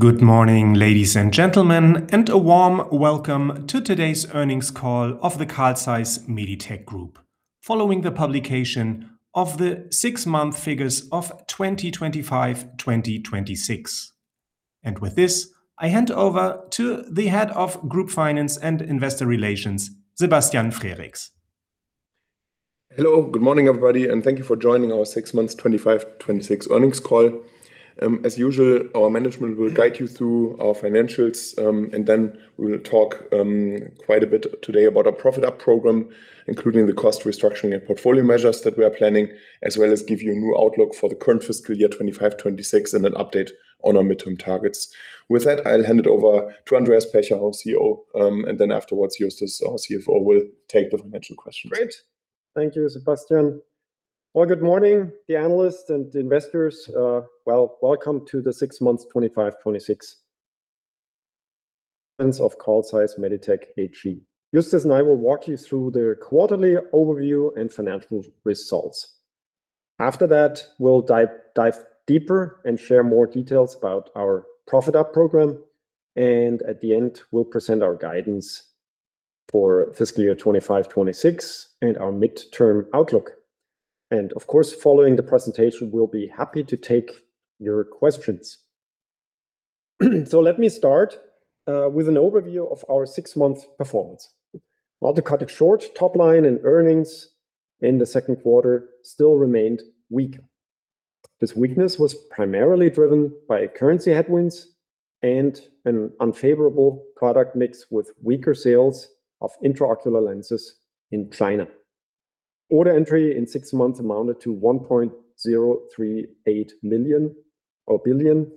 Good morning, ladies and gentlemen, and a warm welcome to today's earnings call of the Carl Zeiss Meditec Group following the publication of the six-month figures of 2025/2026. With this, I hand over to the Head of Group Finance and Investor Relations, Sebastian Frericks. Hello, good morning, everybody, and thank you for joining our six months 2025/2026 earnings call. As usual, our management will guide you through our financials, and then we'll talk quite a bit today about our Profit Up Program, including the cost restructuring and portfolio measures that we are planning, as well as give you a new outlook for the current fiscal year 2025/2026 and an update on our midterm targets. With that, I'll hand it over to Andreas Pecher, our CEO, and then afterwards, Justus, our CFO, will take the financial questions. Great. Thank you, Sebastian. Good morning, the analysts and investors. Welcome to the 6 months 2025/2026 of Carl Zeiss Meditec AG. Justus and I will walk you through the quarterly overview and financial results. After that, we'll dive deeper and share more details about our Profit Up Program, and at the end, we'll present our guidance for fiscal year 2025/2026 and our midterm outlook. Of course, following the presentation, we'll be happy to take your questions. Let me start with an overview of our six-month performance. While Carl Zeiss Meditec's top line and earnings in the second quarter still remained weak. This weakness was primarily driven by currency headwinds and an unfavorable product mix with weaker sales of intraocular lenses in China. Order entry in six months amounted to 1.038 million or billion,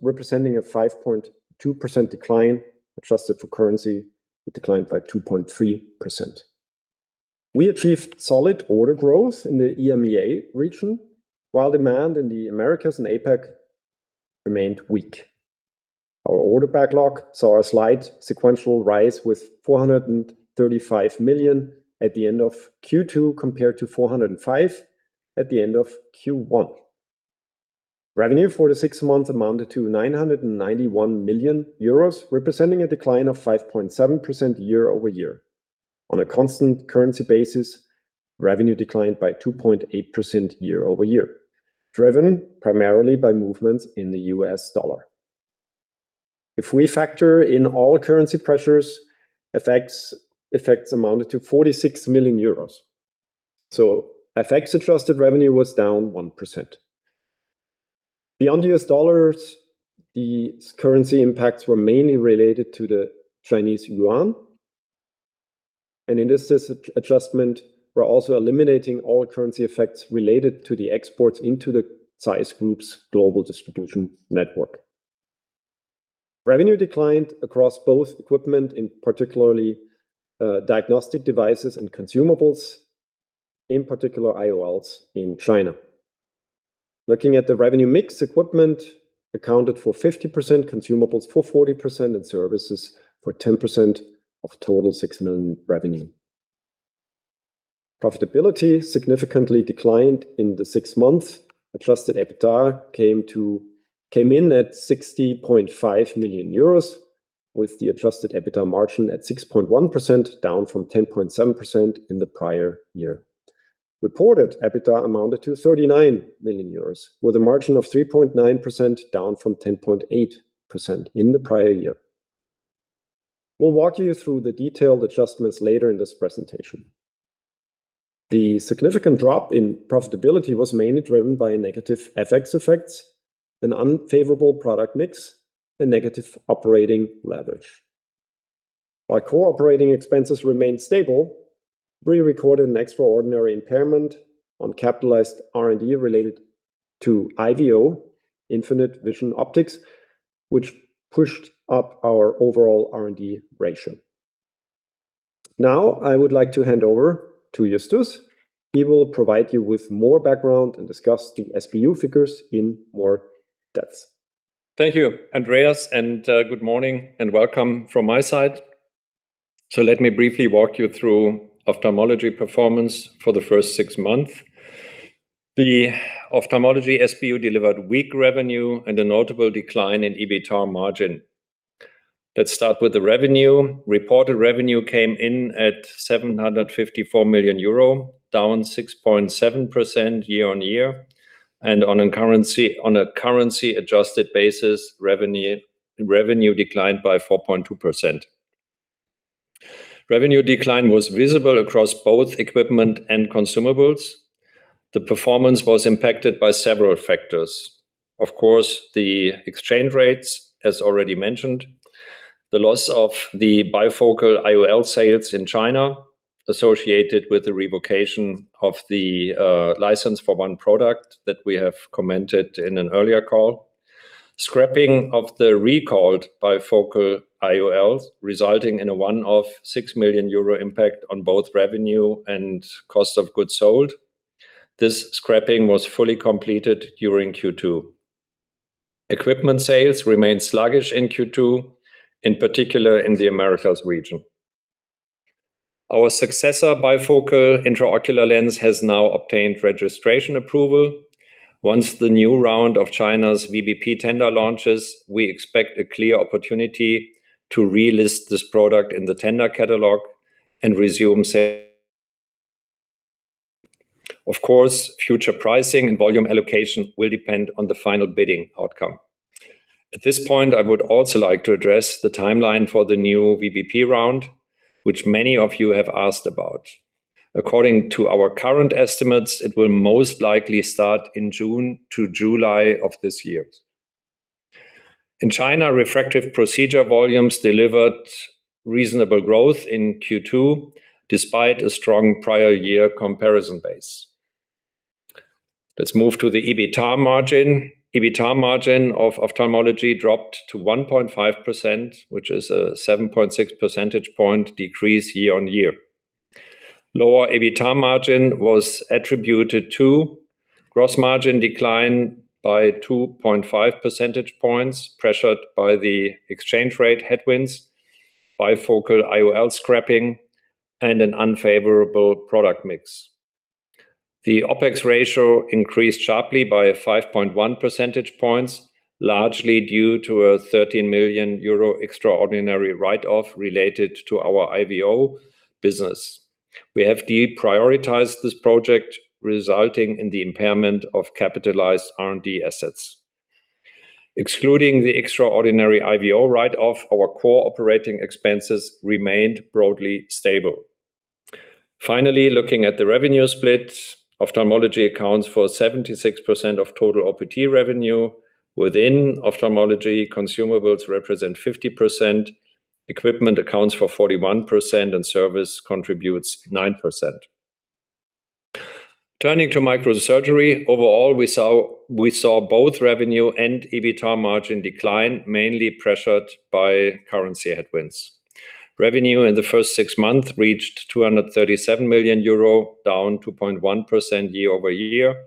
representing a 5.2% decline. Adjusted for currency, it declined by 2.3%. We achieved solid order growth in the EMEA region, while demand in the Americas and APAC remained weak. Our order backlog saw a slight sequential rise with 435 million at the end of Q2, compared to 405 million at the end of Q1. Revenue for the six months amounted to 991 million euros, representing a decline of 5.7% year-over-year. On a constant currency basis, revenue declined by 2.8% year-over-year, driven primarily by movements in the U.S. dollar. If we factor in all currency pressures, FX effects amounted to 46 million euros. FX-adjusted revenue was down 1%. Beyond the U.S. dollars, the currency impacts were mainly related to the Chinese yuan. In this adjustment, we're also eliminating all currency effects related to the exports into the ZEISS Group's global distribution network. Revenue declined across both equipment, in particular diagnostic devices and consumables, in particular IOLs in China. Looking at the revenue mix, equipment accounted for 50%, consumables for 40%, and services for 10% of total 6 million revenue. Profitability significantly declined in the six months. Adjusted EBITDA came in at 60.5 million euros, with the adjusted EBITDA margin at 6.1%, down from 10.7% in the prior year. Reported EBITDA amounted to 39 million euros, with a margin of 3.9%, down from 10.8% in the prior year. We'll walk you through the detailed adjustments later in this presentation. The significant drop in profitability was mainly driven by negative FX effects, an unfavorable product mix, and negative operating leverage. While core operating expenses remained stable, we recorded an extraordinary impairment on capitalized R&D related to IVO, Infinite Vision Optics, which pushed up our overall R&D ratio. Now, I would like to hand over to Justus. He will provide you with more background and discuss the SBU figures in more depth. Thank you, Andreas, and good morning and welcome from my side. Let me briefly walk you through Ophthalmology performance for the first six months. The Ophthalmology SBU delivered weak revenue and a notable decline in EBITA margin. Let's start with the revenue. Reported revenue came in at 754 million euro, down 6.7% year-over-year. On a currency-adjusted basis, revenue declined by 4.2%. Revenue decline was visible across both equipment and consumables. The performance was impacted by several factors. Of course, the exchange rates, as already mentioned. The loss of the bifocal IOL sales in China associated with the revocation of the license for one product that we have commented in an earlier call. Scrapping of the recalled bifocal IOL, resulting in a one-off 6 million euro impact on both revenue and cost of goods sold. This scrapping was fully completed during Q2. Equipment sales remained sluggish in Q2, in particular in the Americas region. Our successor bifocal intraocular lens has now obtained registration approval. Once the new round of China's VBP tender launches, we expect a clear opportunity to relist this product in the tender catalog and resume. Of course, future pricing and volume allocation will depend on the final bidding outcome. At this point, I would also like to address the timeline for the new VBP round, which many of you have asked about. According to our current estimates, it will most likely start in June to July of this year. In China, refractive procedure volumes delivered reasonable growth in Q2 despite a strong prior year comparison base. Let's move to the EBITA margin. EBITA margin of Ophthalmology dropped to 1.5%, which is a 7.6 percentage point decrease year-on-year. Lower EBITA margin was attributed to gross margin decline by 2.5 percentage points, pressured by the exchange rate headwinds, bifocal IOL scrapping, and an unfavorable product mix. The OpEx ratio increased sharply by 5.1 percentage points, largely due to a 13 million euro extraordinary write-off related to our IVO business. We have deprioritized this project, resulting in the impairment of capitalized R&D assets. Excluding the extraordinary IVO write-off, our core operating expenses remained broadly stable. Looking at the revenue split, Ophthalmology accounts for 76% of total OPT revenue. Within Ophthalmology, consumables represent 50%, equipment accounts for 41%, and service contributes 9%. Turning to Microsurgery, overall, we saw both revenue and EBITA margin decline, mainly pressured by currency headwinds. Revenue in the first six months reached 237 million euro, down 2.1% year-over-year.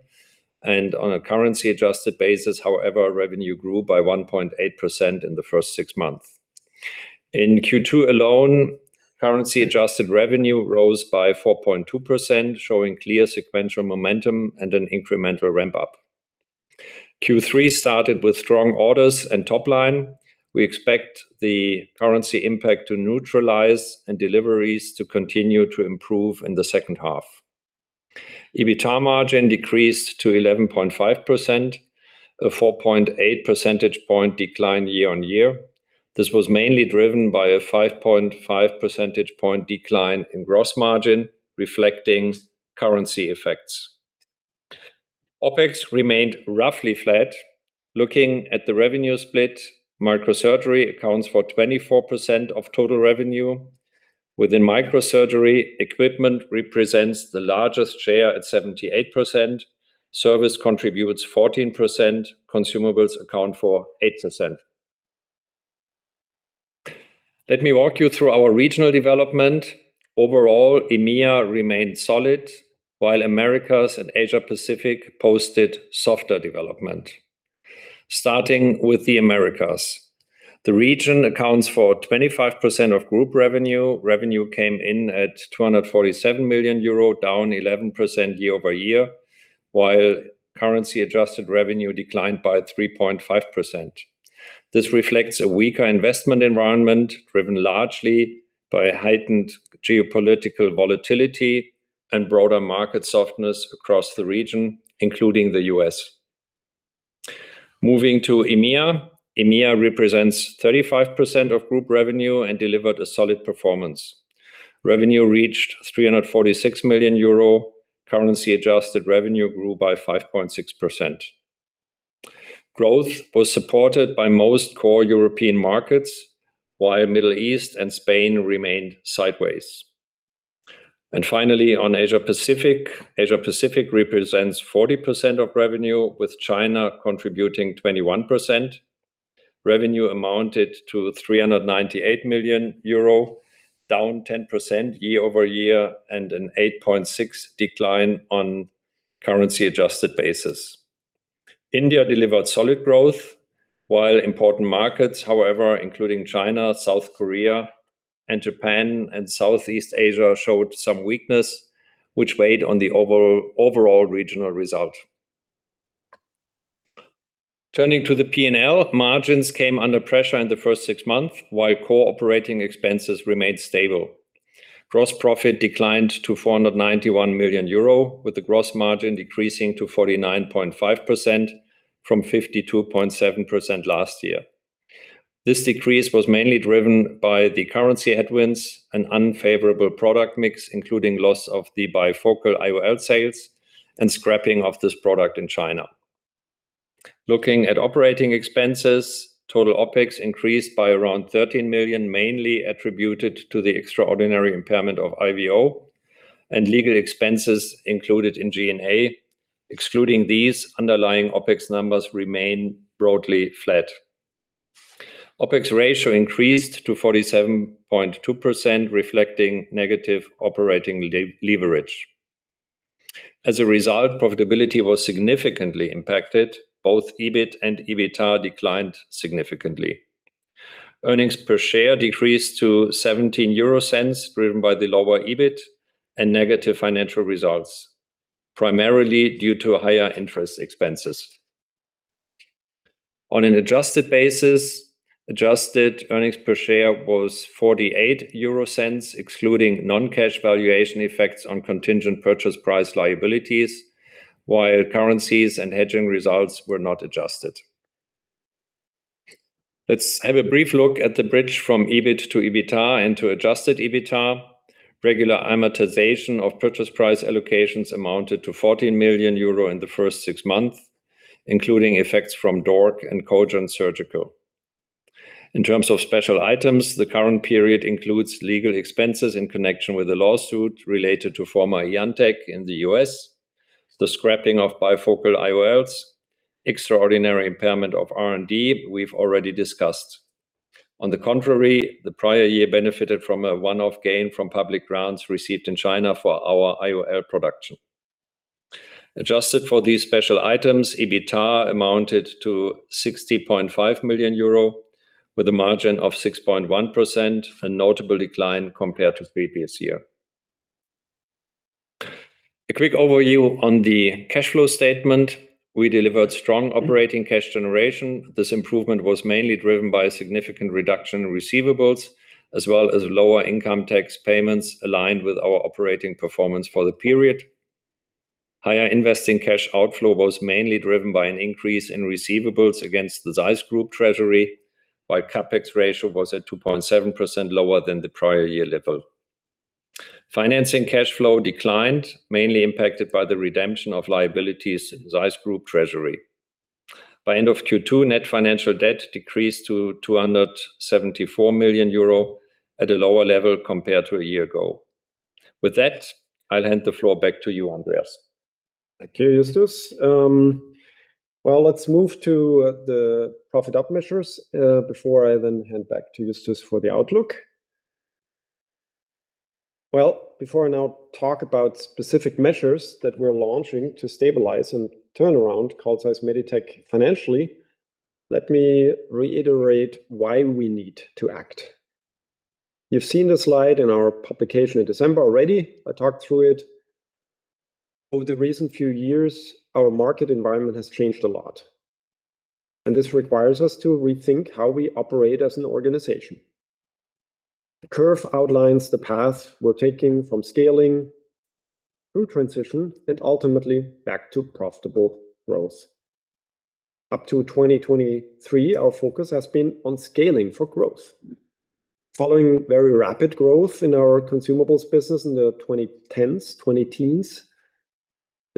On a currency adjusted basis, however, revenue grew by 1.8% in the first six months. In Q2 alone, currency adjusted revenue rose by 4.2%, showing clear sequential momentum and an incremental ramp up. Q3 started with strong orders and top line. We expect the currency impact to neutralize and deliveries to continue to improve in the second half. EBITA margin decreased to 11.5%, a 4.8 percentage point decline year-on-year. This was mainly driven by a 5.5 percentage point decline in gross margin, reflecting currency effects. OpEx remained roughly flat. Looking at the revenue split, Microsurgery accounts for 24% of total revenue. Within Microsurgery, equipment represents the largest share at 78%, service contributes 14%, consumables account for 8%. Let me walk you through our regional development. Overall, EMEA remained solid, while Americas and Asia Pacific posted softer development. Starting with the Americas, the region accounts for 25% of group revenue. Revenue came in at 247 million euro, down 11% year-over-year, while currency adjusted revenue declined by 3.5%. This reflects a weaker investment environment, driven largely by heightened geopolitical volatility and broader market softness across the region, including the U.S. Moving to EMEA represents 35% of group revenue and delivered a solid performance. Revenue reached 346 million euro. Currency adjusted revenue grew by 5.6%. Growth was supported by most core European markets, while Middle East and Spain remained sideways. Finally, on Asia Pacific, Asia Pacific represents 40% of revenue, with China contributing 21%. Revenue amounted to 398 million euro, down 10% year-over-year and an 8.6% decline on currency adjusted basis. India delivered solid growth, while important markets, however, including China, South Korea, and Japan, and Southeast Asia showed some weakness, which weighed on the overall regional result. Turning to the P&L, margins came under pressure in the first six months, while core operating expenses remained stable. Gross profit declined to 491 million euro, with the gross margin decreasing to 49.5% from 52.7% last year. This decrease was mainly driven by the currency headwinds and unfavorable product mix, including loss of the bifocal IOL sales and scrapping of this product in China. Looking at operating expenses, total OpEx increased by around 13 million, mainly attributed to the extraordinary impairment of IVO and legal expenses included in G&A. Excluding these, underlying OpEx numbers remain broadly flat. OpEx ratio increased to 47.2%, reflecting negative operating leverage. As a result, profitability was significantly impacted. Both EBIT and EBITDA declined significantly. Earnings per share decreased to 0.17, driven by the lower EBIT and negative financial results, primarily due to higher interest expenses. On an adjusted basis, adjusted earnings per share was 0.48, excluding non-cash valuation effects on contingent purchase price liabilities, while currencies and hedging results were not adjusted. Let's have a brief look at the bridge from EBIT to EBITDA and to adjusted EBITDA. Regular amortization of purchase price allocations amounted to 14 million euro in the first six months, including effects from DORC and Kogent Surgical. In terms of special items, the current period includes legal expenses in connection with a lawsuit related to former IanTech in the U.S., the scrapping of bifocal IOLs, extraordinary impairment of R&D we've already discussed. The prior year benefited from a one-off gain from public grants received in China for our IOL production. Adjusted for these special items, EBITDA amounted to 60.5 million euro with a margin of 6.1%, a notable decline compared to previous year. A quick overview on the cash flow statement. We delivered strong operating cash generation. This improvement was mainly driven by a significant reduction in receivables, as well as lower income tax payments aligned with our operating performance for the period. Higher investing cash outflow was mainly driven by an increase in receivables against the ZEISS Group treasury, while CapEx ratio was at 2.7% lower than the prior year level. Financing cash flow declined, mainly impacted by the redemption of liabilities in ZEISS Group treasury. By end of Q2, net financial debt decreased to 274 million euro at a lower level compared to a year ago. With that, I'll hand the floor back to you, Andreas. Thank you, Justus. Let's move to the Profit Up measures before I then hand back to Justus for the outlook. Before I now talk about specific measures that we're launching to stabilize and turn around Carl Zeiss Meditec financially, let me reiterate why we need to act. You've seen the slide in our publication in December already. I talked through it. Over the recent few years, our market environment has changed a lot, and this requires us to rethink how we operate as an organization. The curve outlines the path we're taking from scaling through transition and ultimately back to profitable growth. Up to 2023, our focus has been on scaling for growth. Following very rapid growth in our consumables business in the 2010s,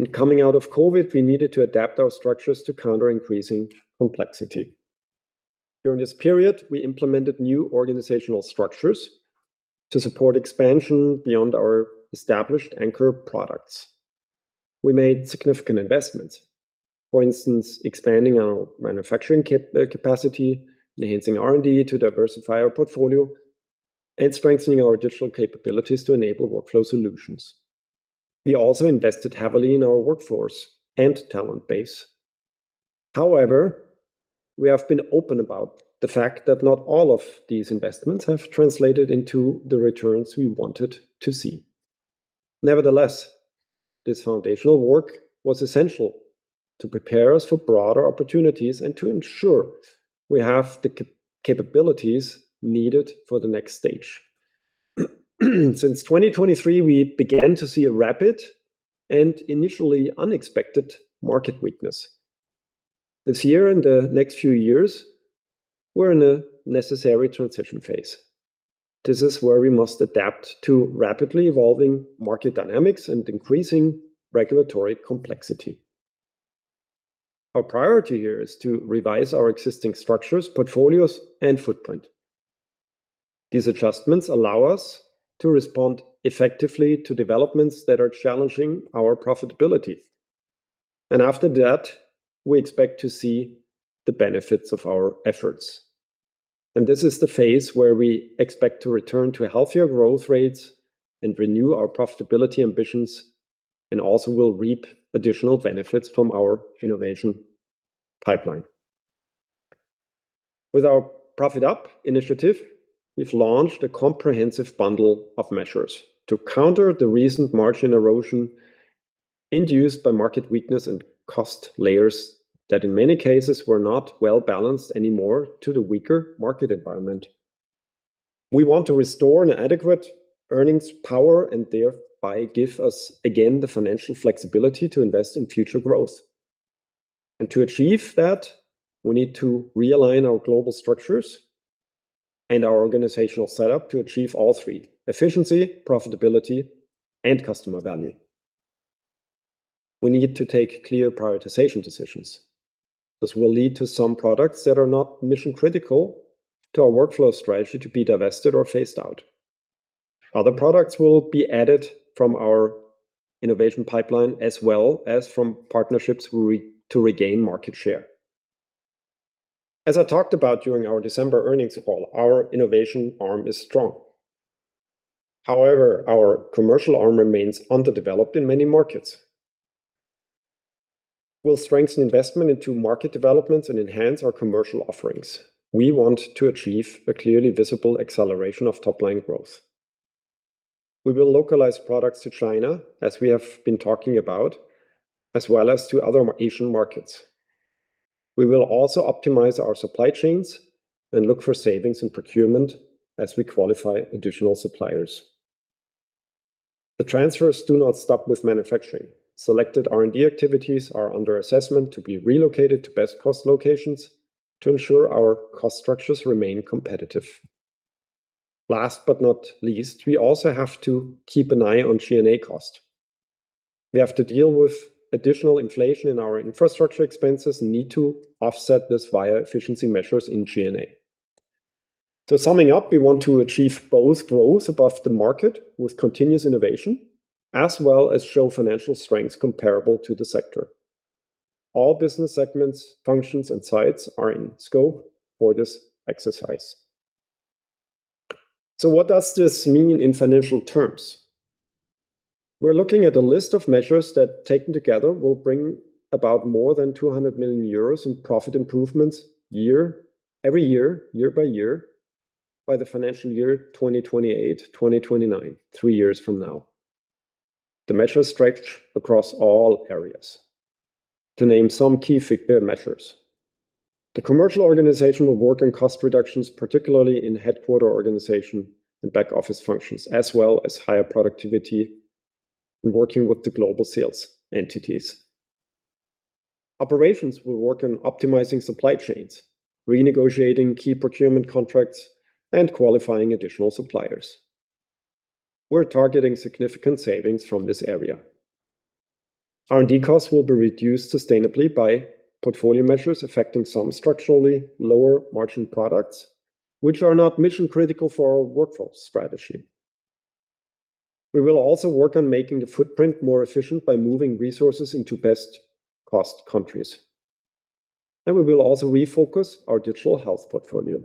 and coming out of COVID, we needed to adapt our structures to counter-increasing complexity. During this period, we implemented new organizational structures to support expansion beyond our established anchor products. We made significant investments. For instance, expanding our manufacturing capacity, enhancing R&D to diversify our portfolio, and strengthening our digital capabilities to enable workflow solutions. We also invested heavily in our workforce and talent base. We have been open about the fact that not all of these investments have translated into the returns we wanted to see. This foundational work was essential to prepare us for broader opportunities and to ensure we have the capabilities needed for the next stage. Since 2023, we began to see a rapid and initially unexpected market weakness. This year and the next few years, we're in a necessary transition phase. This is where we must adapt to rapidly evolving market dynamics and increasing regulatory complexity. Our priority here is to revise our existing structures, portfolios, and footprint. These adjustments allow us to respond effectively to developments that are challenging our profitability. After that, we expect to see the benefits of our efforts. This is the phase where we expect to return to healthier growth rates and renew our profitability ambitions, and also will reap additional benefits from our innovation pipeline. With our Profit Up initiative, we've launched a comprehensive bundle of measures to counter the recent margin erosion induced by market weakness and cost layers that in many cases were not well-balanced anymore to the weaker market environment. We want to restore an adequate earnings power and thereby give us again the financial flexibility to invest in future growth. To achieve that, we need to realign our global structures and our organizational setup to achieve all three, efficiency, profitability, and customer value. We need to take clear prioritization decisions. This will lead to some products that are not mission-critical to our workflow strategy to be divested or phased out. Other products will be added from our innovation pipeline as well as from partnerships to regain market share. As I talked about during our December earnings call, our innovation arm is strong. However, our commercial arm remains underdeveloped in many markets. We'll strengthen investment into market developments and enhance our commercial offerings. We want to achieve a clearly visible acceleration of top line growth. We will localize products to China as we have been talking about, as well as to other Asian markets. We will also optimize our supply chains and look for savings in procurement as we qualify additional suppliers. The transfers do not stop with manufacturing. Selected R&D activities are under assessment to be relocated to best cost locations to ensure our cost structures remain competitive. Last but not least, we also have to keep an eye on G&A cost. We have to deal with additional inflation in our infrastructure expenses and need to offset this via efficiency measures in G&A. Summing up, we want to achieve both growth above the market with continuous innovation, as well as show financial strength comparable to the sector. All business segments, functions and sites are in scope for this exercise. What does this mean in financial terms? We're looking at a list of measures that, taken together, will bring about more than 200 million euros in profit improvements every year by year, by the financial year 2028, 2029, three years from now. The measures stretch across all areas. To name some key figure measures, the commercial organization will work on cost reductions, particularly in headquarter organization and back office functions, as well as higher productivity in working with the global sales entities. Operations will work on optimizing supply chains, renegotiating key procurement contracts, and qualifying additional suppliers. We're targeting significant savings from this area. R&D costs will be reduced sustainably by portfolio measures affecting some structurally lower margin products, which are not mission-critical for our workflows strategy. We will also work on making the footprint more efficient by moving resources into best cost countries. We will also refocus our digital health portfolio.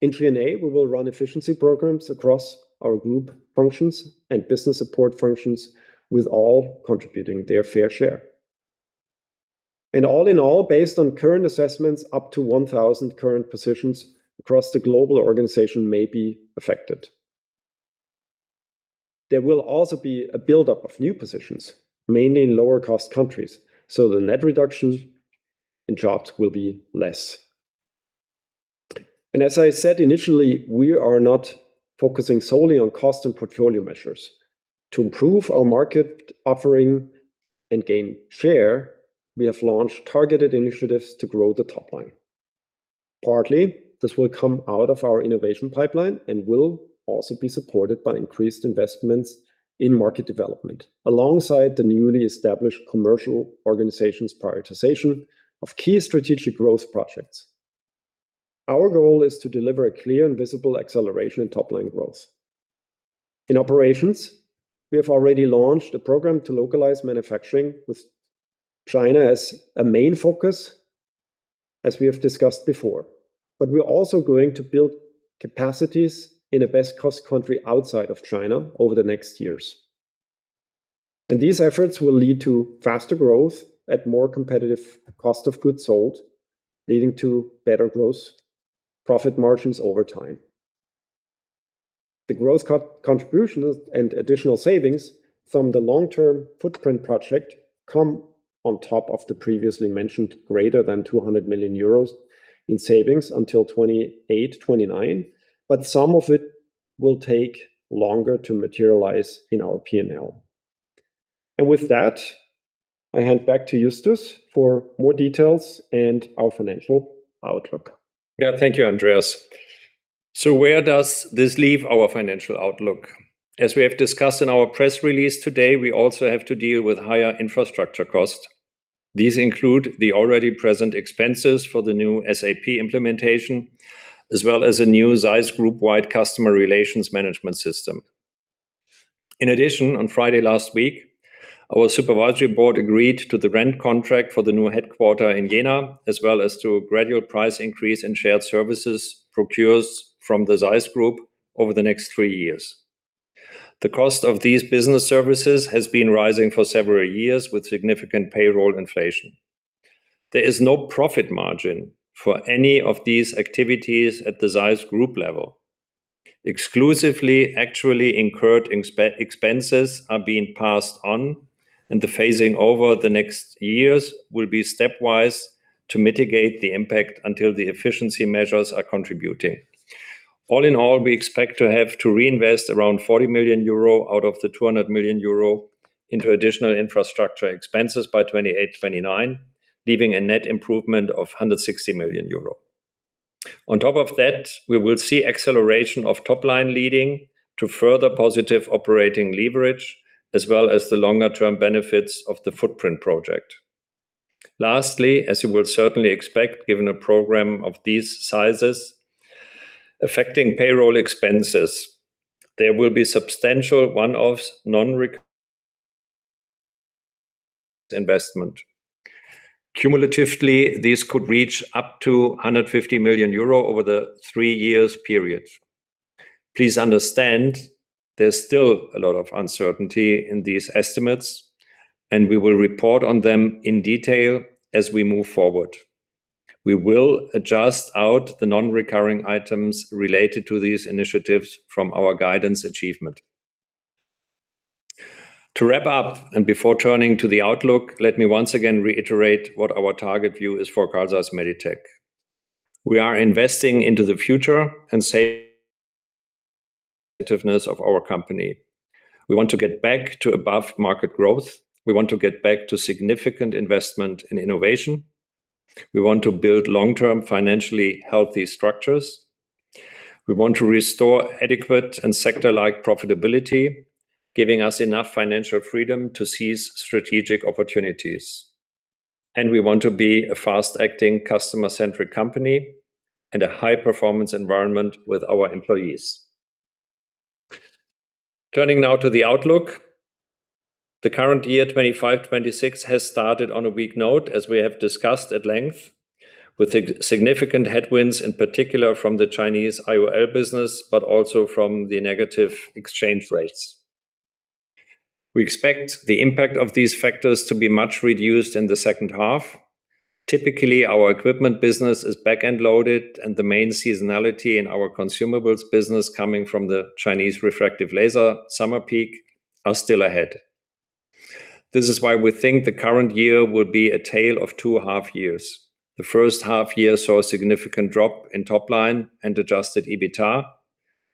In G&A, we will run efficiency programs across our group functions and business support functions, with all contributing their fair share. All in all, based on current assessments, up to 1,000 current positions across the global organization may be affected. There will also be a build-up of new positions, mainly in lower cost countries, so the net reduction in jobs will be less. As I said initially, we are not focusing solely on cost and portfolio measures. To improve our market offering and gain share, we have launched targeted initiatives to grow the top line. Partly, this will come out of our innovation pipeline and will also be supported by increased investments in market development, alongside the newly established commercial organization's prioritization of key strategic growth projects. Our goal is to deliver a clear and visible acceleration in top line growth. In operations, we have already launched a program to localize manufacturing with China as a main focus, as we have discussed before. We are also going to build capacities in a best cost country outside of China over the next years. These efforts will lead to faster growth at more competitive cost of goods sold, leading to better gross profit margins over time. The growth contribution and additional savings from the long-term footprint project come on top of the previously mentioned greater than 200 million euros in savings until 2028, 2029. Some of it will take longer to materialize in our P&L. With that, I hand back to Justus for more details and our financial outlook. Yeah. Thank you, Andreas. Where does this leave our financial outlook? As we have discussed in our press release today, we also have to deal with higher infrastructure costs. These include the already present expenses for the new SAP implementation, as well as a new ZEISS Group-wide customer relations management system. In addition, on Friday last week, our supervisory board agreed to the rent contract for the new headquarter in Jena, as well as to a gradual price increase in shared services procured from the ZEISS Group over the next three years. The cost of these business services has been rising for several years with significant payroll inflation. There is no profit margin for any of these activities at the ZEISS Group level. Exclusively actually incurred expenses are being passed on, and the phasing over the next years will be stepwise to mitigate the impact until the efficiency measures are contributing. All in all, we expect to have to reinvest around 40 million euro out of the 200 million euro into additional infrastructure expenses by 2028, 2029, leaving a net improvement of 160 million euro. On top of that, we will see acceleration of top line leading to further positive operating leverage, as well as the longer term benefits of the footprint project. Lastly, as you would certainly expect, given a program of these sizes affecting payroll expenses, there will be substantial one-offs non-recourse investment. Cumulatively, this could reach up to 150 million euro over the three years period. Please understand there's still a lot of uncertainty in these estimates, and we will report on them in detail as we move forward. We will adjust out the non-recurring items related to these initiatives from our guidance achievement. To wrap up, and before turning to the outlook, let me once again reiterate what our target view is for Carl Zeiss Meditec. We are investing into the future and say of our company. We want to get back to above market growth. We want to get back to significant investment in innovation. We want to build long-term financially healthy structures. We want to restore adequate and sector-like profitability, giving us enough financial freedom to seize strategic opportunities. We want to be a fast-acting customer-centric company and a high-performance environment with our employees. Turning now to the outlook, the current year 2025/2026 has started on a weak note, as we have discussed at length, with significant headwinds, in particular from the Chinese IOL business, but also from the negative exchange rates. We expect the impact of these factors to be much reduced in the second half. Typically, our equipment business is back-end loaded, and the main seasonality in our consumables business coming from the Chinese refractive laser summer peak are still ahead. This is why we think the current year will be a tale of two half years. The first half year saw a significant drop in top line and adjusted EBITDA.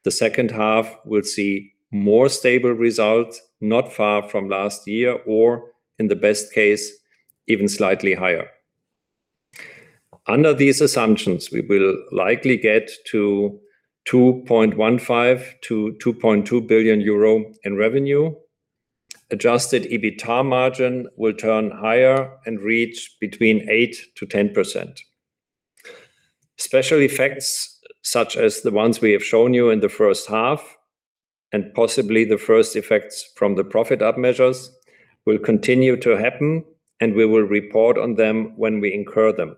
The second half will see more stable results, not far from last year, or in the best case, even slightly higher. Under these assumptions, we will likely get to 2.15 billion-2.2 billion euro in revenue. Adjusted EBITDA margin will turn higher and reach between 8%-10%. Special effects, such as the ones we have shown you in the first half, and possibly the first effects from the Profit Up measures, will continue to happen, and we will report on them when we incur them.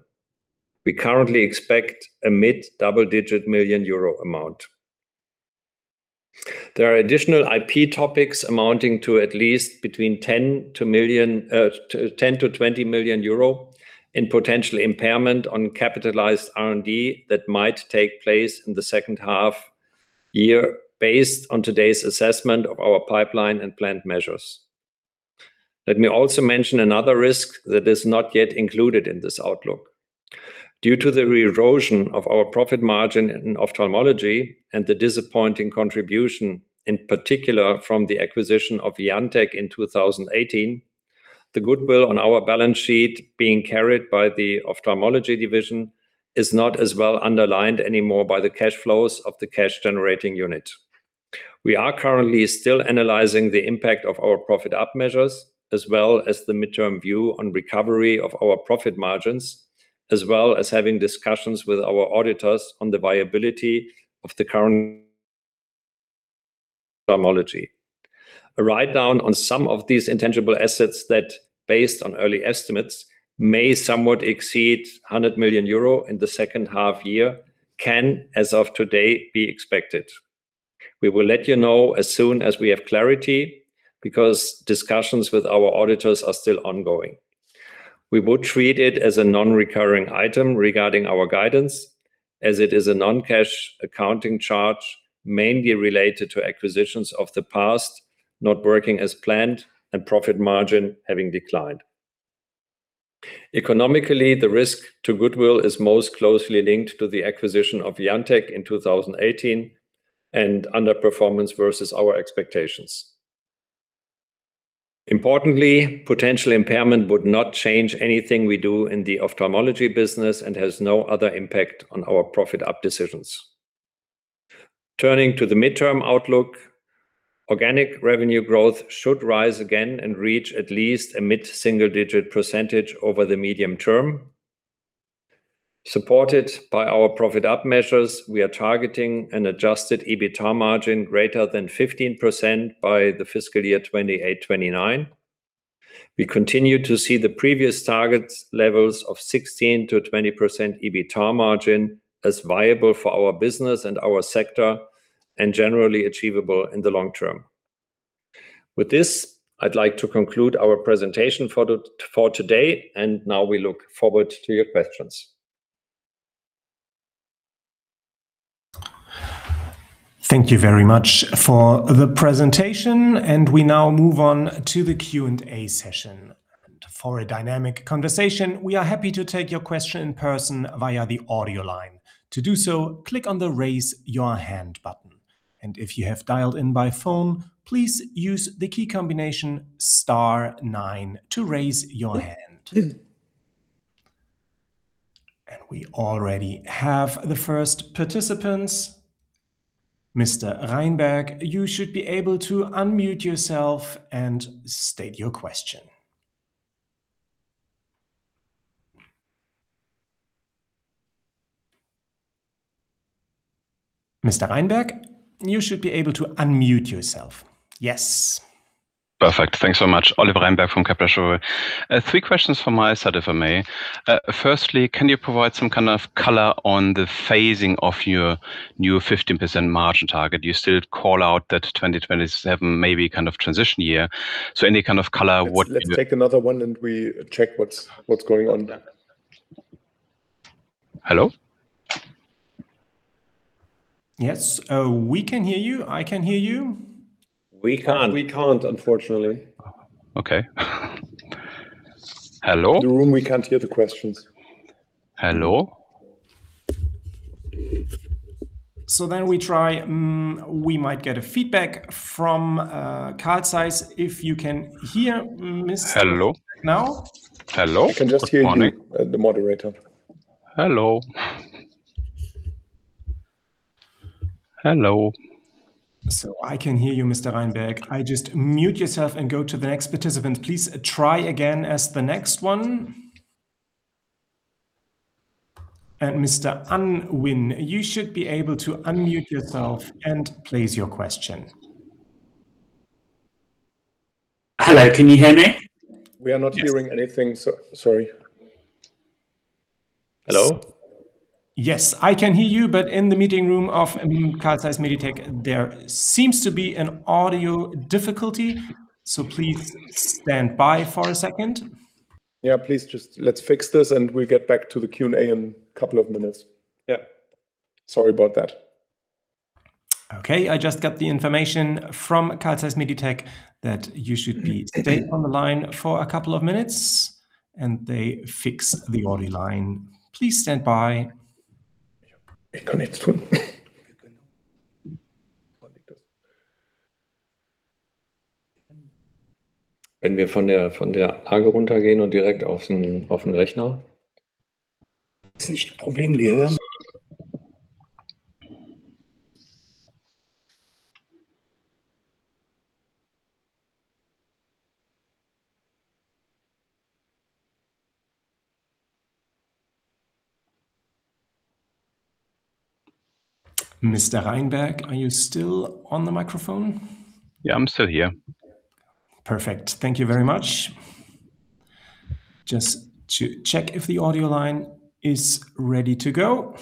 We currently expect a mid-double-digit million EUR amount. There are additional IP topics amounting to at least between 10 million-20 million euro in potential impairment on capitalized R&D that might take place in the second half year based on today's assessment of our pipeline and planned measures. Let me also mention another risk that is not yet included in this outlook. Due to the re-erosion of our profit margin in ophthalmology and the disappointing contribution, in particular from the acquisition of IanTech in 2018, the goodwill on our balance sheet being carried by the ophthalmology division is not as well underlined anymore by the cash flows of the cash-generating unit. We are currently still analyzing the impact of our Profit Up measures, as well as the midterm view on recovery of our profit margins, as well as having discussions with our auditors on the viability of the current ophthalmology. A write-down on some of these intangible assets that, based on early estimates, may somewhat exceed 100 million euro in the second half year can, as of today, be expected. We will let you know as soon as we have clarity because discussions with our auditors are still ongoing. We would treat it as a non-recurring item regarding our guidance, as it is a non-cash accounting charge mainly related to acquisitions of the past not working as planned and profit margin having declined. Economically, the risk to goodwill is most closely linked to the acquisition of IanTech in 2018 and underperformance versus our expectations. Importantly, potential impairment would not change anything we do in the Ophthalmology business and has no other impact on our Profit Up decisions. Turning to the midterm outlook, organic revenue growth should rise again and reach at least a mid-single-digit percentage over the medium term. Supported by our Profit Up measures, we are targeting an adjusted EBITDA margin greater than 15% by the fiscal year 2028/2029. We continue to see the previous targets levels of 16%-20% EBITDA margin as viable for our business and our sector and generally achievable in the long term. With this, I'd like to conclude our presentation for today, now we look forward to your questions. Thank you very much for the presentation. We now move on to the Q&A session. For a dynamic conversation, we are happy to take your question in person via the audio line. To do so, click on the Raise Your Hand button. If you have dialed in by phone, please use the key combination star nine to raise your hand. We already have the first participants. Mr. Reinberg, you should be able to unmute yourself and state your question. Yes. Perfect. Thanks so much. Oliver Reinberg from Kepler Cheuvreux. Three questions from my side, if I may. Firstly, can you provide some kind of color on the phasing of your new 15% margin target? You still call out that 2027 maybe kind of transition year. Any kind of color what the Let's take another one, and we check what's going on. Hello? Yes. We can hear you. I can hear you. We can't. We can't, unfortunately. Okay. Hello? In the room we can't hear the questions. Hello? We might get a feedback from Carl Zeiss. If you can hear, Mr. Hello. Now? Hello. Good morning. We can just hear you, the moderator. Hello. Hello. I can hear you, Mr. Reinberg. Just mute yourself and go to the next participant. Please try again as the next one. Mr. Unwin, you should be able to unmute yourself and place your question. Hello, can you hear me? We are not hearing anything, so sorry. Hello? Yes, I can hear you. In the meeting room of Carl Zeiss Meditec, there seems to be an audio difficulty. Please stand by for a second. Yeah, please just let's fix this, and we'll get back to the Q&A in couple of minutes. Yeah. Sorry about that. Mr. Reinberg, are you still on the microphone? Yeah, I'm still here. Perfect. Thank you very much. Just check if the audio line is ready to go.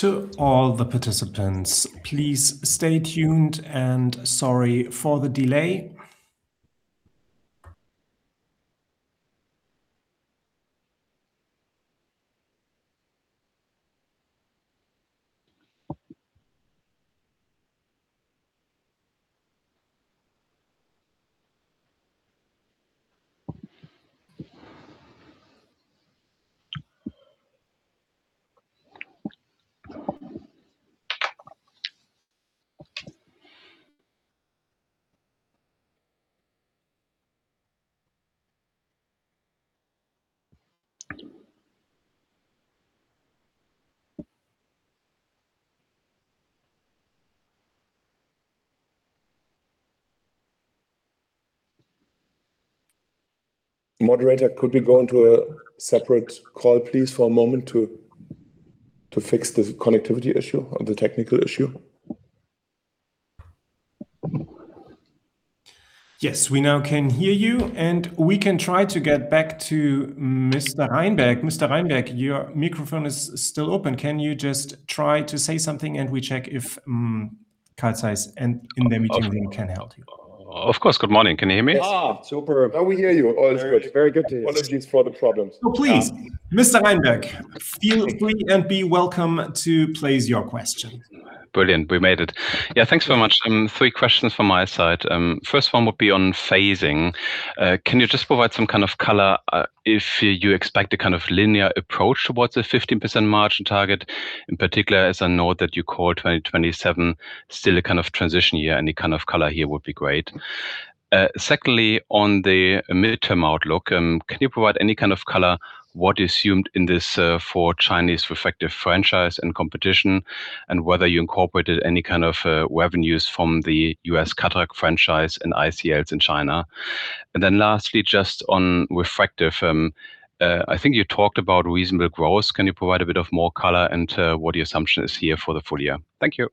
To all the participants, please stay tuned, and sorry for the delay. Moderator, could we go into a separate call, please, for a moment to fix the connectivity issue or the technical issue? Yes. We now can hear you. We can try to get back to Mr. Reinberg. Mr. Reinberg, your microphone is still open. Can you just try to say something? We check if Carl Zeiss in the meeting room can help you. Of course. Good morning. Can you hear me? Superb. Now we hear you. All is good. Very, very good to hear you. Apologies for the problems. Please, Mr. Reinberg, feel free and be welcome to place your question. Brilliant. We made it. Thanks so much. Three questions from my side. First one would be on phasing. Can you just provide some kind of color if you expect a kind of linear approach towards a 15% margin target, in particular, as I know that you call 2027 still a kind of transition year. Any kind of color here would be great. Secondly, on the midterm outlook, can you provide any kind of color what is assumed in this for Chinese refractive franchise and competition, and whether you incorporated any kind of revenues from the U.S. cataract franchise and ICLs in China? Lastly, just on refractive, I think you talked about reasonable growth. Can you provide a bit of more color into what your assumption is here for the full year? Thank you.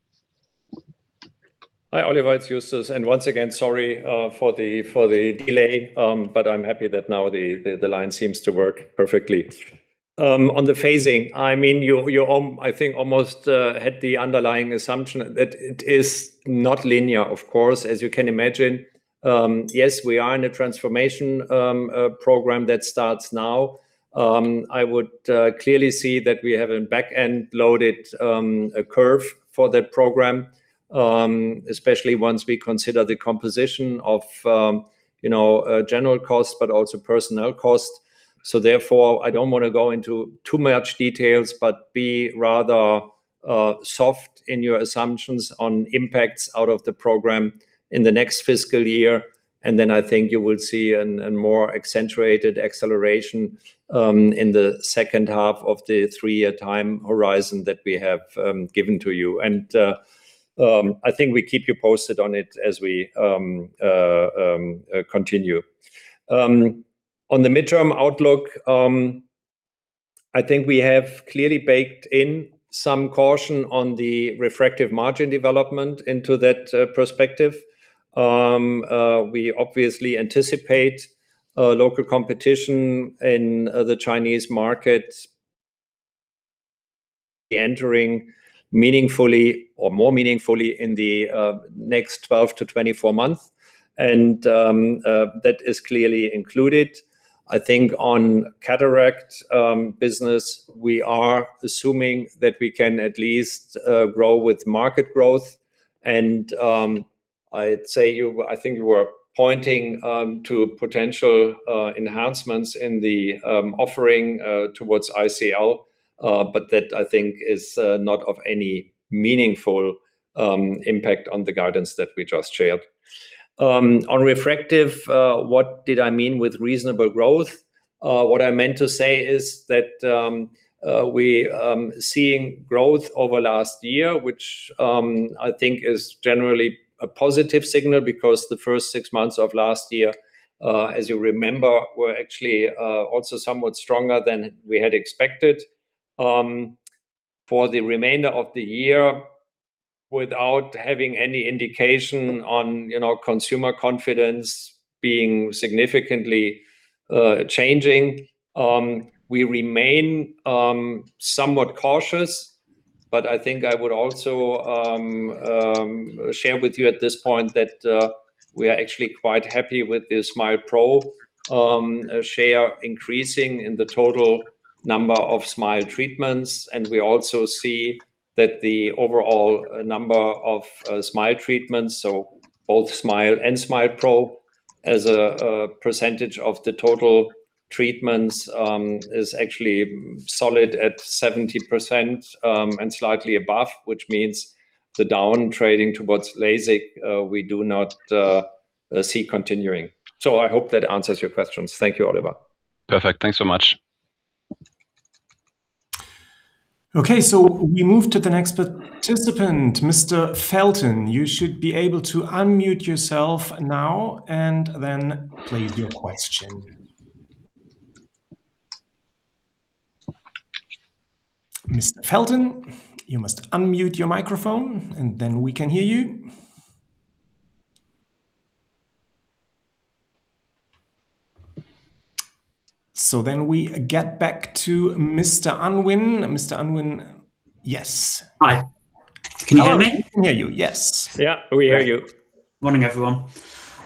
Hi, Oliver. It's Justus. Once again, sorry for the delay, but I'm happy that now the line seems to work perfectly. On the phasing, I mean, you're, I think almost had the underlying assumption that it is not linear, of course, as you can imagine. Yes, we are in a transformation program that starts now. I would clearly see that we have a back-end loaded curve for that program, especially once we consider the composition of, you know, general costs, but also personnel costs. Therefore, I don't wanna go into too much details, but be rather soft in your assumptions on impacts out of the program in the next fiscal year. I think you will see a more accentuated acceleration in the second half of the three-year time horizon that we have given to you. I think we keep you posted on it as we continue. On the midterm outlook, I think we have clearly baked in some caution on the refractive margin development into that perspective. We obviously anticipate local competition in the Chinese market entering meaningfully or more meaningfully in the next 12 to 24 months, and that is clearly included. I think on cataract business, we are assuming that we can at least grow with market growth. I'd say you I think you were pointing to potential enhancements in the offering towards ICL, but that I think is not of any meaningful impact on the guidance that we just shared. On refractive, what did I mean with reasonable growth? What I meant to say is that we seeing growth over last year, which I think is generally a positive signal because the first six months of last year, as you remember, were actually also somewhat stronger than we had expected. For the remainder of the year, without having any indication on, you know, consumer confidence being significantly changing, we remain somewhat cautious. I think I would also share with you at this point that we are actually quite happy with the SMILE pro share increasing in the total number of SMILE treatments. We also see that the overall number of SMILE treatments, so both SMILE and SMILE pro as a percentage of the total treatments, is actually solid at 70% and slightly above, which means the down trading towards LASIK we do not see continuing. I hope that answers your questions. Thank you, Oliver. Perfect. Thanks so much. Okay. We move to the next participant, Mr. Felton. You should be able to unmute yourself now and then place your question. Mr. Felton, you must unmute your microphone, and then we can hear you. We get back to Mr. Unwin. Mr. Unwin, yes. Hi. Can you hear me? We can hear you, yes. Yeah, we hear you. Morning, everyone.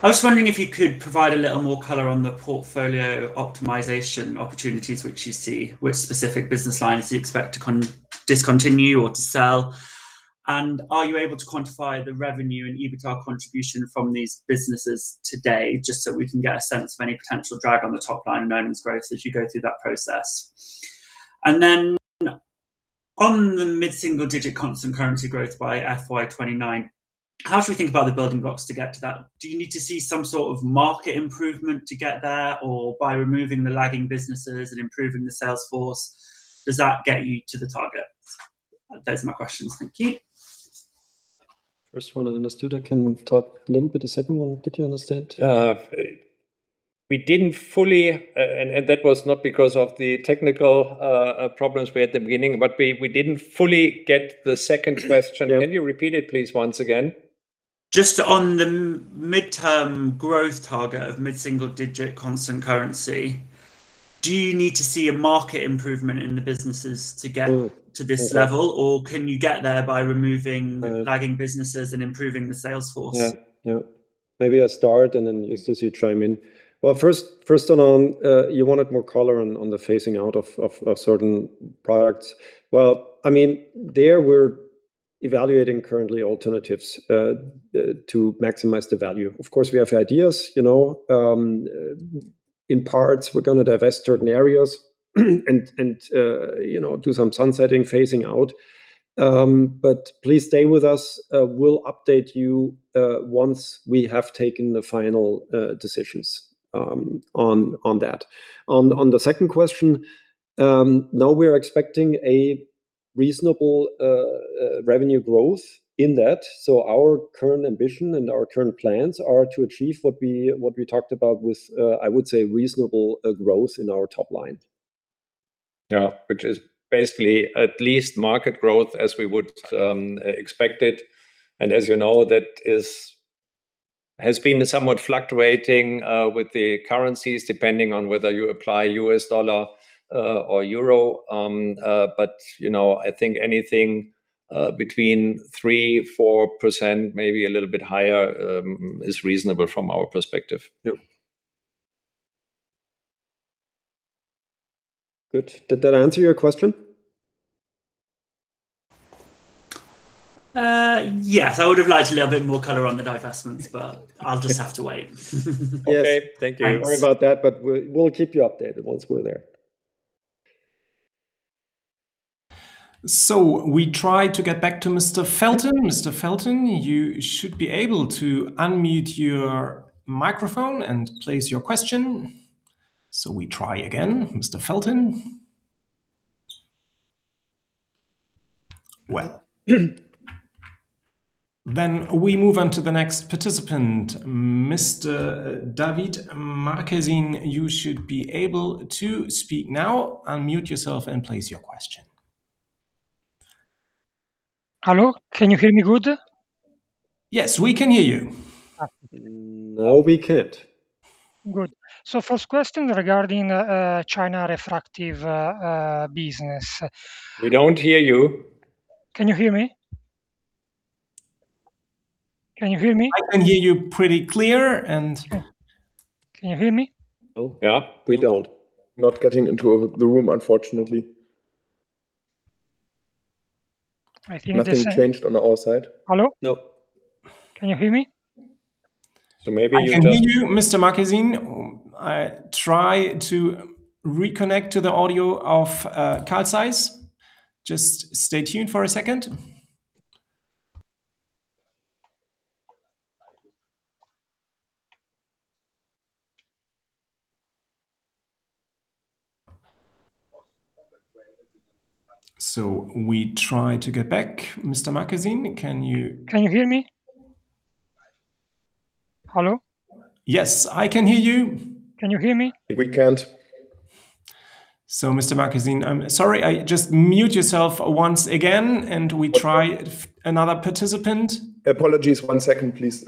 I was wondering if you could provide a little more color on the portfolio optimization opportunities which you see, which specific business lines do you expect to discontinue or to sell, and are you able to quantify the revenue and EBITDA contribution from these businesses today, just so we can get a sense of any potential drag on the top line in earnings growth as you go through that process? Then on the mid-single-digit constant currency growth by FY 2029, how should we think about the building blocks to get to that? Do you need to see some sort of market improvement to get there, or by removing the lagging businesses and improving the sales force, does that get you to the target? Those are my questions. Thank you. First one I understood. I can talk a little bit. The second one, did you understand? We didn't fully, and that was not because of the technical problems we had at the beginning, but we didn't fully get the second question. Yeah. Can you repeat it, please, once again? Just on the midterm growth target of mid-single digit constant currency. Do you need to see a market improvement in the businesses to get- No. To this level? can you get there by removing- No. Lagging businesses and improving the sales force? Yeah, yeah. Maybe I start and then, Justus, you chime in. Well, first on, you wanted more color on the phasing out of certain products. Well, I mean, there we're evaluating currently alternatives to maximize the value. Of course, we have ideas, you know. In parts we're gonna divest certain areas and, you know, do some sunsetting, phasing out. Please stay with us. We'll update you once we have taken the final decisions on that. On the second question, now we are expecting a reasonable revenue growth in that. Our current ambition and our current plans are to achieve what we talked about with, I would say reasonable growth in our top line. Yeah. Which is basically at least market growth as we would expect it. As you know, that has been somewhat fluctuating with the currencies, depending on whether you apply US dollar or euro. You know, I think anything between 3%-4%, maybe a little bit higher, is reasonable from our perspective. Yeah. Good. Did that answer your question? Yes. I would have liked a little bit more color on the divestments, but I'll just have to wait. Okay. Thank you. Sorry about that. We'll keep you updated once we're there. We try to get back to Mr. Felton. Mr. Felton, you should be able to unmute your microphone and place your question. We try again, Mr. Felton. We move on to the next participant. Mr. Davide Marchesin, you should be able to speak now. Unmute yourself and place your question. Hello, can you hear me good? Yes, we can hear you. Okay. Now we can. Good. First question regarding China refractive business. We don't hear you. Can you hear me? Can you hear me? I can hear you pretty clear. Can you hear me? No. Yeah. We don't. Not getting into, the room unfortunately. I think this- Nothing changed on our side. Hello? No. Can you hear me? Maybe you. I can hear you, Mr. Marchesin. Try to reconnect to the audio of Carl Zeiss Meditec. Just stay tuned for a second. We try to get back. Mr. Marchesin, can you. Can you hear me? Hello? Yes, I can hear you. Can you hear me? We can't. Mr. Marchesin, I'm sorry. Just mute yourself once again, and we try another participant. Apologies. One second please.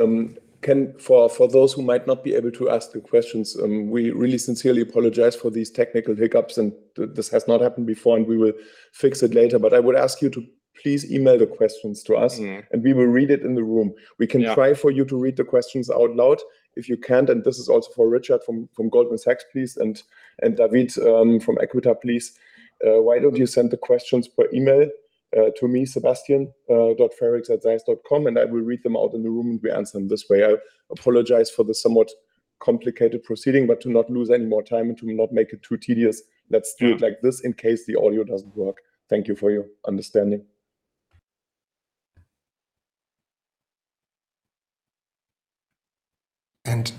For those who might not be able to ask the questions, we really sincerely apologize for these technical hiccups and this has not happened before, and we will fix it later. I would ask you to please email the questions to us. We will read it in the room. Yeah. We can try for you to read the questions out loud if you can. This is also for Richard Felton from Goldman Sachs, please, and Davide Marchesin from Equita, please. Why don't you send the questions by email to me, sebastian.frericks@zeiss.com, and I will read them out in the room and we answer them this way. I apologize for the somewhat complicated proceeding, but to not lose any more time and to not make it too tedious, let's do it like this in case the audio doesn't work. Thank you for your understanding.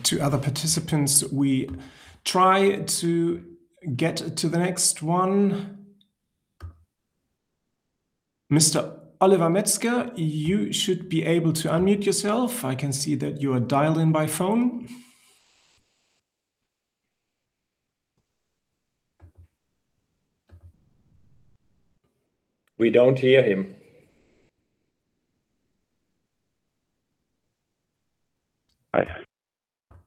To other participants, we try to get to the next one. Mr. Oliver Metzger, you should be able to unmute yourself. I can see that you are dialed in by phone. We don't hear him.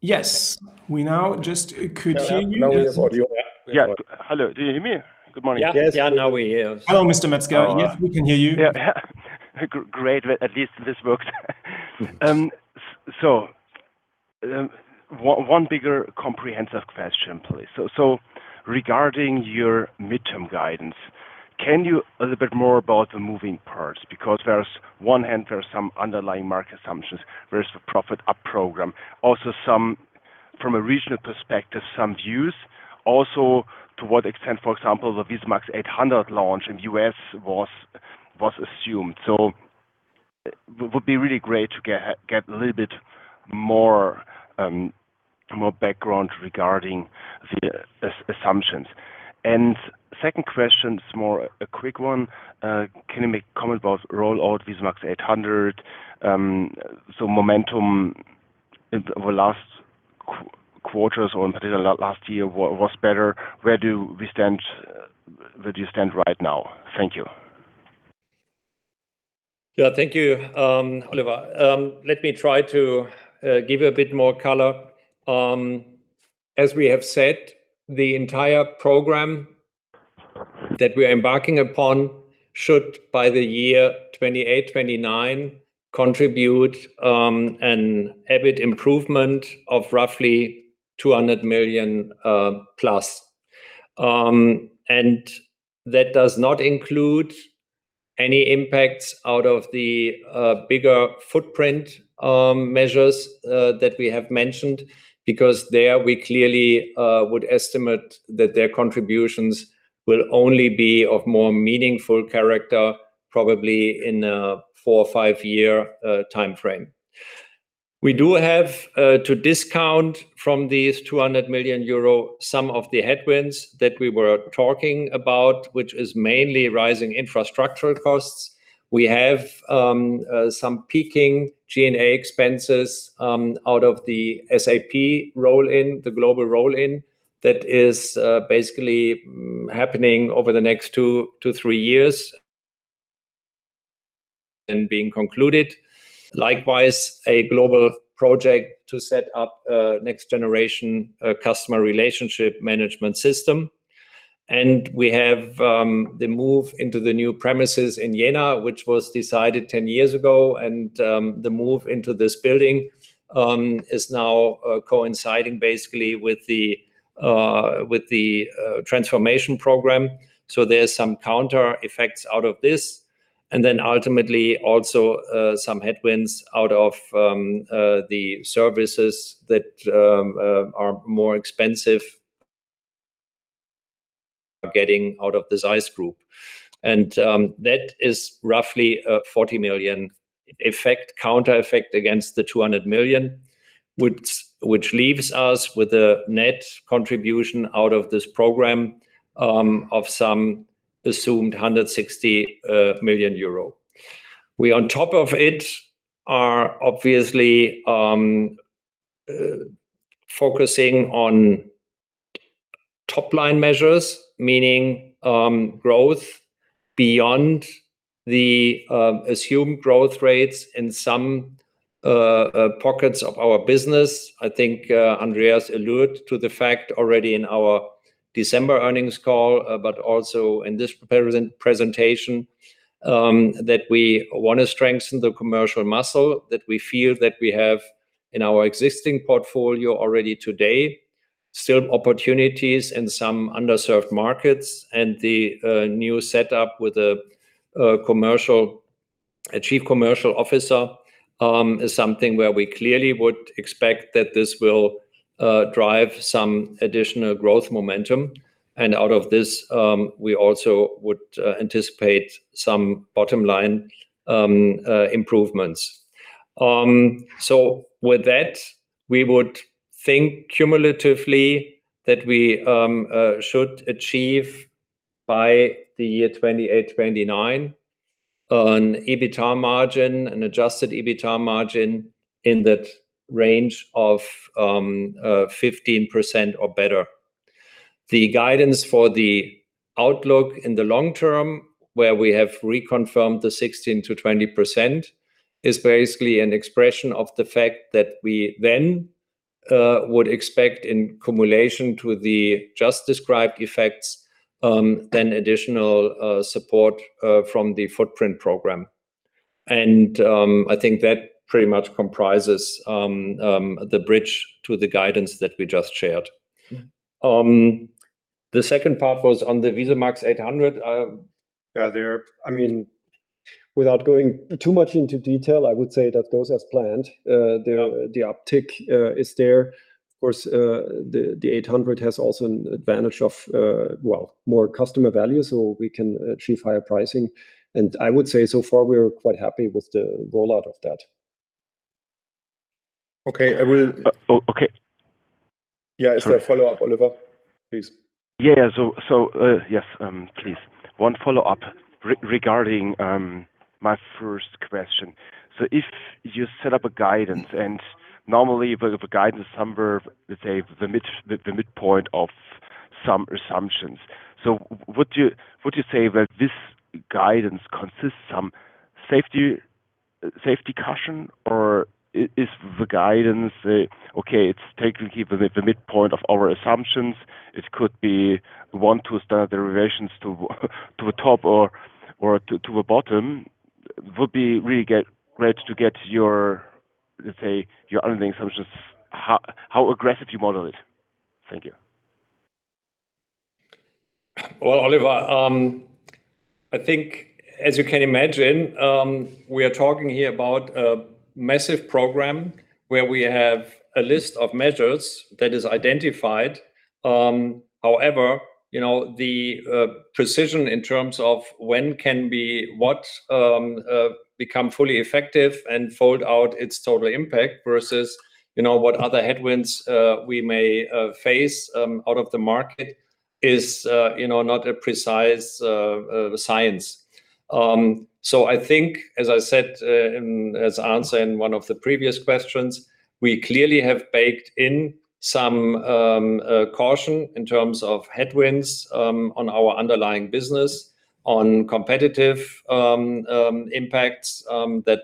Yes. We now just could hear you. Now we have audio, yeah. We have audio. Yeah. Hello. Do you hear me? Good morning. Yes. Hello, Mr. Metzger. Yes, we can hear you. Great. Well, at least this works. One bigger comprehensive question please. Regarding your midterm guidance, can you a little bit more about the moving parts? Because on one hand there's some underlying market assumptions versus the Profit Up Program. Also some, from a regional perspective, some views. Also to what extent, for example, the VISUMAX 800 launch in U.S. was assumed. Would be really great to get a little bit more background regarding the assumptions. Second question is more a quick one. Can you make comment about rollout VISUMAX 800? Momentum over last quarters or particular last year was better. Where do we stand, where do you stand right now? Thank you. Thank you, Oliver. Let me try to give you a bit more color. As we have said, the entire program that we are embarking upon should by the year 2028, 2029 contribute an EBIT improvement of roughly +EUR 200 million. That does not include any impacts out of the bigger footprint measures that we have mentioned because there we clearly would estimate that their contributions will only be of more meaningful character probably in a four or five year timeframe. We do have to discount from these 200 million euro some of the headwinds that we were talking about, which is mainly rising infrastructural costs. We have some peaking G&A expenses out of the SAP roll-in, the global roll-in that is basically happening over the next two to three years and being concluded. Likewise, a global project to set up a next generation customer relationship management system. We have the move into the new premises in Jena, which was decided 10 years ago. The move into this building is now coinciding basically with the transformation program. There's some counter effects out of this, then ultimately also some headwinds out of the services that are more expensive getting out of the ZEISS Group. That is roughly a 40 million effect, counter effect against the 200 million, which leaves us with a net contribution out of this program of some assumed 160 million euro. We on top of it are obviously focusing on top line measures, meaning growth beyond the assumed growth rates in some pockets of our business. I think Andreas alluded to the fact already in our December earnings call, but also in this presentation, that we wanna strengthen the commercial muscle that we feel that we have in our existing portfolio already today. Still opportunities in some underserved markets and the new setup with a commercial, a Chief Commercial Officer is something where we clearly would expect that this will drive some additional growth momentum. Out of this, we also would anticipate some bottom line improvements. With that, we would think cumulatively that we should achieve by the year 2028, 2029 an EBITA margin, an adjusted EBITA margin in that range of 15% or better. The guidance for the outlook in the long term, where we have reconfirmed the 16%-20%, is basically an expression of the fact that we then would expect in cumulation to the just described effects, then additional support from the footprint program. I think that pretty much comprises the bridge to the guidance that we just shared. The second part was on the VISUMAX 800. Yeah, there I mean, without going too much into detail, I would say that goes as planned. The uptick is there. Of course, the 800 has also an advantage of more customer value, so we can achieve higher pricing. I would say so far we're quite happy with the rollout of that. Okay. Okay. Yeah. Is there a follow-up, Oliver? Please. Yeah. Yes, please, one follow-up regarding my first question. If you set up a guidance and normally if a guidance number, let's say the midpoint of some assumptions, would you say that this guidance consists some safety caution or is the guidance, okay, it's taken here the midpoint of our assumptions? It could be one, two standard deviations to a top or to a bottom. Would be really great to get your, let's say, your own assumptions, how aggressive you model it. Thank you. Well, Oliver, I think as you can imagine, we are talking here about a massive program where we have a list of measures that is identified. However, you know, the precision in terms of when can be what, become fully effective and fold out its total impact versus, you know, what other headwinds we may face out of the market is, you know, not a precise science. I think, as I said, as answer in one of the previous questions, we clearly have baked in some caution in terms of headwinds on our underlying business. On competitive impacts that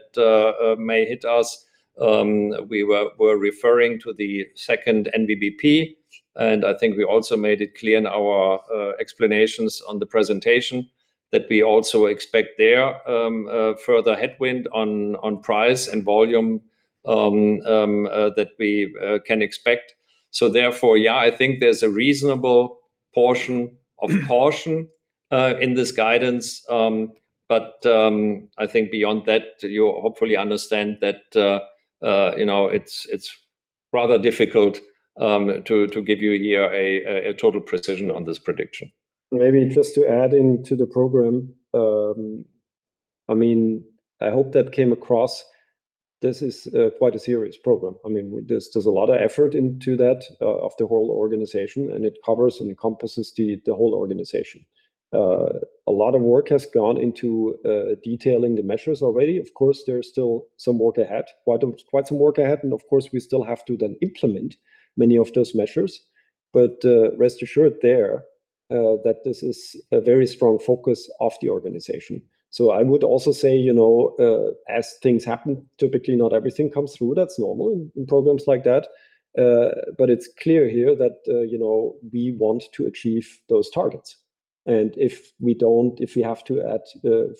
may hit us, we're referring to the second VBP, and I think we also made it clear in our explanations on the presentation that we also expect there a further headwind on price and volume that we can expect. Therefore, yeah, I think there's a reasonable portion of caution in this guidance. I think beyond that, you hopefully understand that, you know, it's rather difficult to give you here a total precision on this prediction. Maybe just to add into the Program, I mean, I hope that came across. This is quite a serious Program. I mean, there's a lot of effort into that of the whole organization, and it covers and encompasses the whole organization. A lot of work has gone into detailing the measures already. Of course, there's still some work ahead. Quite some work ahead, of course, we still have to then implement many of those measures. Rest assured there that this is a very strong focus of the organization. I would also say, you know, as things happen, typically not everything comes through. That's normal in programs like that. It's clear here that, you know, we want to achieve those targets. If we don't, if we have to add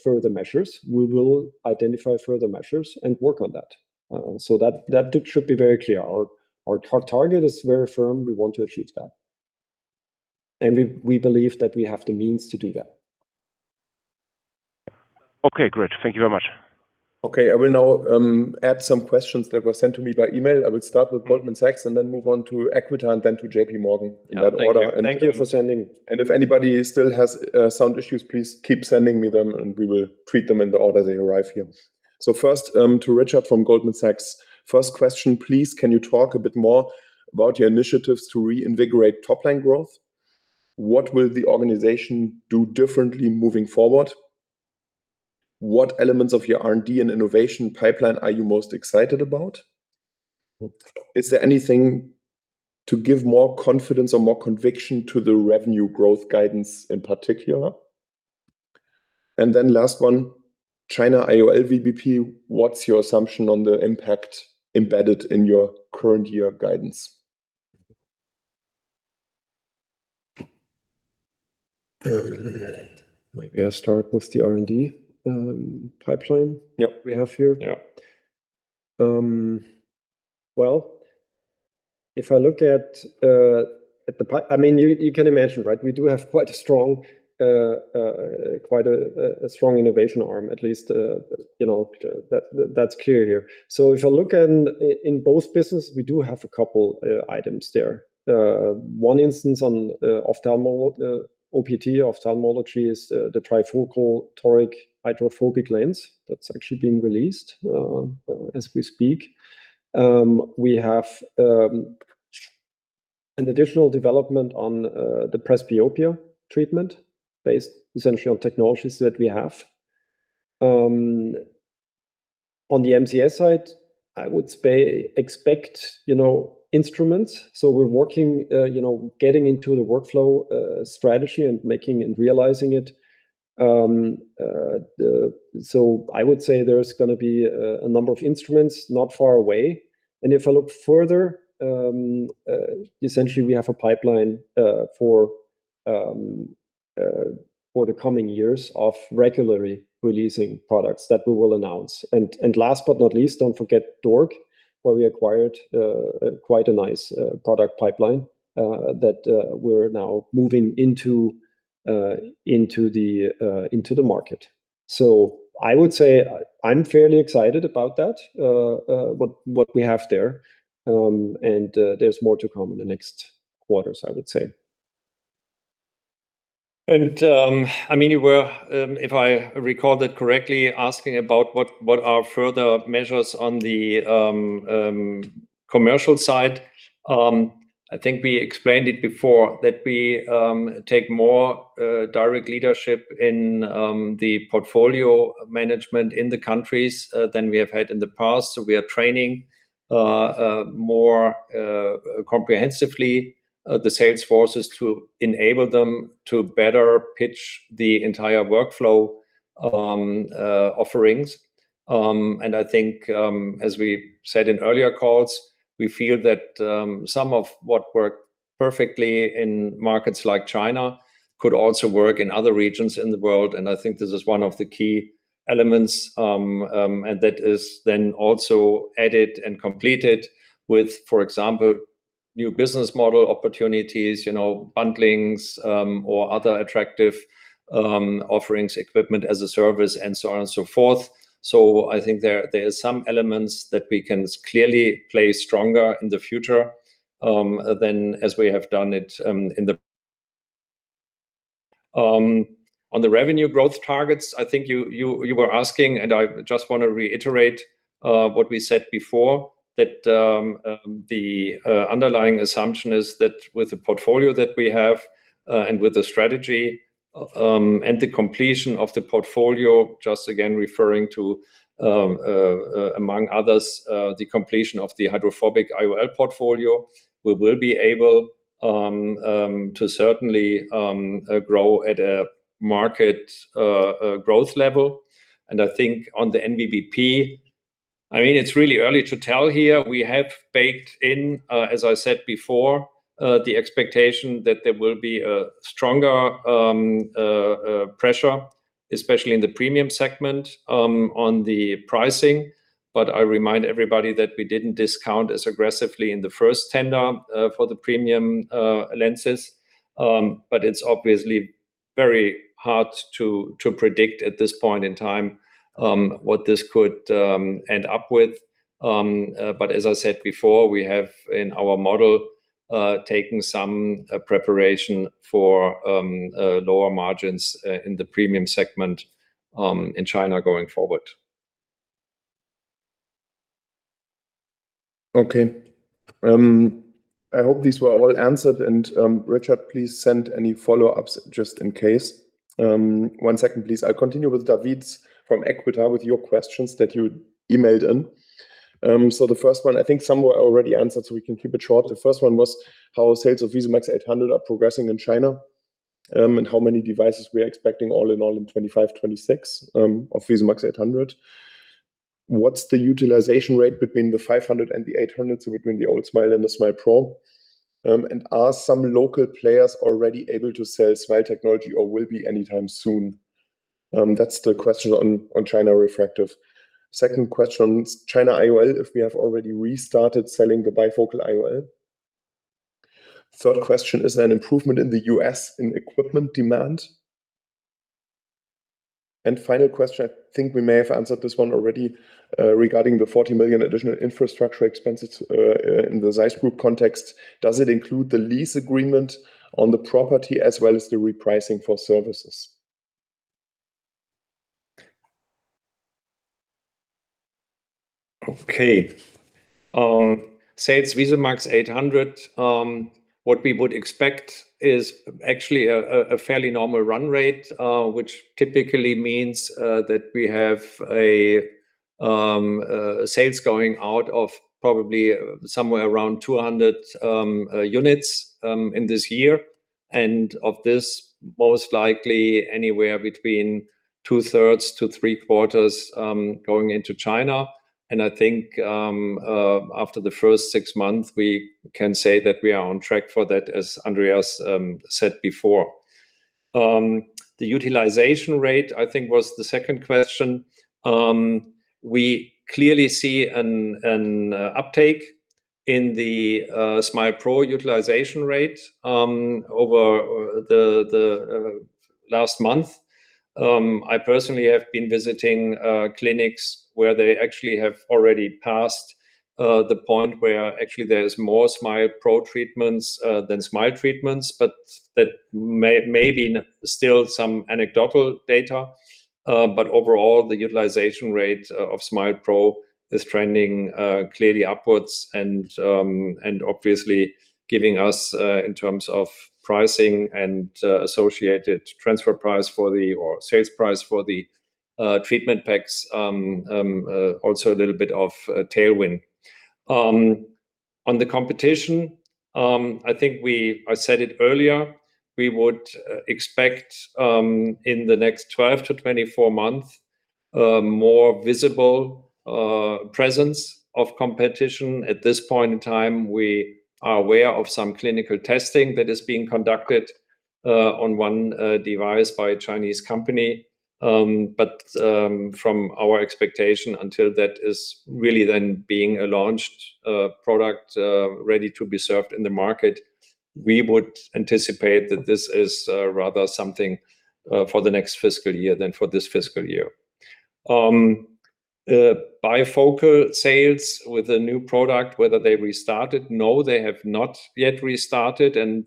further measures, we will identify further measures and work on that. That should be very clear. Our target is very firm. We want to achieve that. We believe that we have the means to do that. Okay, great. Thank you very much. Okay. I will now add some questions that were sent to me by email. I will start with Goldman Sachs and then move on to Equita and then to JPMorgan in that order. Yeah. Thank you. Thank you. Thank you for sending. If anybody still has sound issues, please keep sending me them, and we will treat them in the order they arrive here. First, to Richard from Goldman Sachs. First question, please, can you talk a bit more about your initiatives to reinvigorate top line growth? What will the organization do differently moving forward? What elements of your R&D and innovation pipeline are you most excited about? Is there anything to give more confidence or more conviction to the revenue growth guidance in particular? Last one, China IOL VBP, what's your assumption on the impact embedded in your current year guidance? Maybe I start with the R&D pipeline. Yep. We have here. Yep. Well, if I look at, you know, you can imagine. We do have quite a strong innovation arm at least, you know, that's clear here. If you look in both business, we do have a couple items there. One instance on OPT, Ophthalmology, is the trifocal toric hydrophobic lens that's actually being released as we speak. We have an additional development on the presbyopia treatment based essentially on technologies that we have. On the MCS side, I would expect, you know, instruments. We're working, you know, getting into the workflow strategy and making and realizing it. I would say there's gonna be a number of instruments not far away. If I look further, essentially, we have a pipeline for the coming years of regularly releasing products that we will announce. Last but not least, don't forget DORC, where we acquired quite a nice product pipeline that we're now moving into the market. I would say I'm fairly excited about that, what we have there. There's more to come in the next quarters, I would say. I mean, you were, if I recall that correctly, asking about what are further measures on the commercial side. I think we explained it before that we take more direct leadership in the portfolio management in the countries than we have had in the past. We are training more comprehensively the sales forces to enable them to better pitch the entire workflow offerings. I think, as we said in earlier calls, we feel that some of what worked perfectly in markets like China could also work in other regions in the world, and I think this is one of the key elements. That is then also added and completed with, for example, new business model opportunities, you know, bundlings, or other attractive offerings, equipment as a service, and so on and so forth. I think there are some elements that we can clearly play stronger in the future than as we have done it. On the revenue growth targets, I think you were asking, and I just want to reiterate what we said before, that the underlying assumption is that with the portfolio that we have and with the strategy and the completion of the portfolio, just again referring to among others, the completion of the hydrophobic IOL portfolio, we will be able to certainly grow at a market growth level. I think on the VBP-I mean, it's really early to tell here. We have baked in, as I said before, the expectation that there will be a stronger pressure, especially in the premium segment, on the pricing. I remind everybody that we didn't discount as aggressively in the first tender for the premium lenses. It's obviously very hard to predict at this point in time what this could end up with. As I said before, we have in our model taken some preparation for lower margins in the premium segment in China going forward. Okay. I hope these were all answered and Richard Felton, please send any follow-ups just in case. One second, please. I'll continue with Davide Marchesin from Equita with your questions that you emailed in. The first one, I think some were already answered, so we can keep it short. The first one was how sales of VISUMAX 800 are progressing in China, and how many devices we are expecting all in all in 2025, 2026, of VISUMAX 800. What's the utilization rate between the 500 and the 800, so between the old SMILE and the SMILE pro? And are some local players already able to sell SMILE technology or will be anytime soon? That's the question on China Refractive. Second question, China IOL, if we have already restarted selling the bifocal IOL. Third question, is there an improvement in the U.S. in equipment demand? Final question, I think we may have answered this one already, regarding the 40 million additional infrastructure expenses in the ZEISS Group context. Does it include the lease agreement on the property as well as the repricing for services? Okay. Sales VISUMAX 800, what we would expect is actually a fairly normal run rate, which typically means that we have a sales going out of probably somewhere around 200 units in this year. Of this, most likely anywhere between 2/3 to three-quarters going into China. I think, after the first six months, we can say that we are on track for that, as Andreas said before. The utilization rate, I think, was the second question. We clearly see an uptake in the SMILE Pro utilization rate over the last month. I personally have been visiting clinics where they actually have already passed the point where actually there's more SMILE Pro treatments than SMILE treatments, but that may still be some anecdotal data. Overall, the utilization rate of SMILE Pro is trending clearly upwards and obviously giving us in terms of pricing and associated transfer price for the, or sales price for the treatment packs, also a little bit of a tailwind. On the competition, I think I said it earlier, we would expect in the next 12 to 24 months, more visible presence of competition. At this point in time, we are aware of some clinical testing that is being conducted on one device by a Chinese company. From our expectation until that is really then being a launched product ready to be served in the market, we would anticipate that this is rather something for the next fiscal year than for this fiscal year. Bifocal sales with the new product, whether they restarted, no, they have not yet restarted and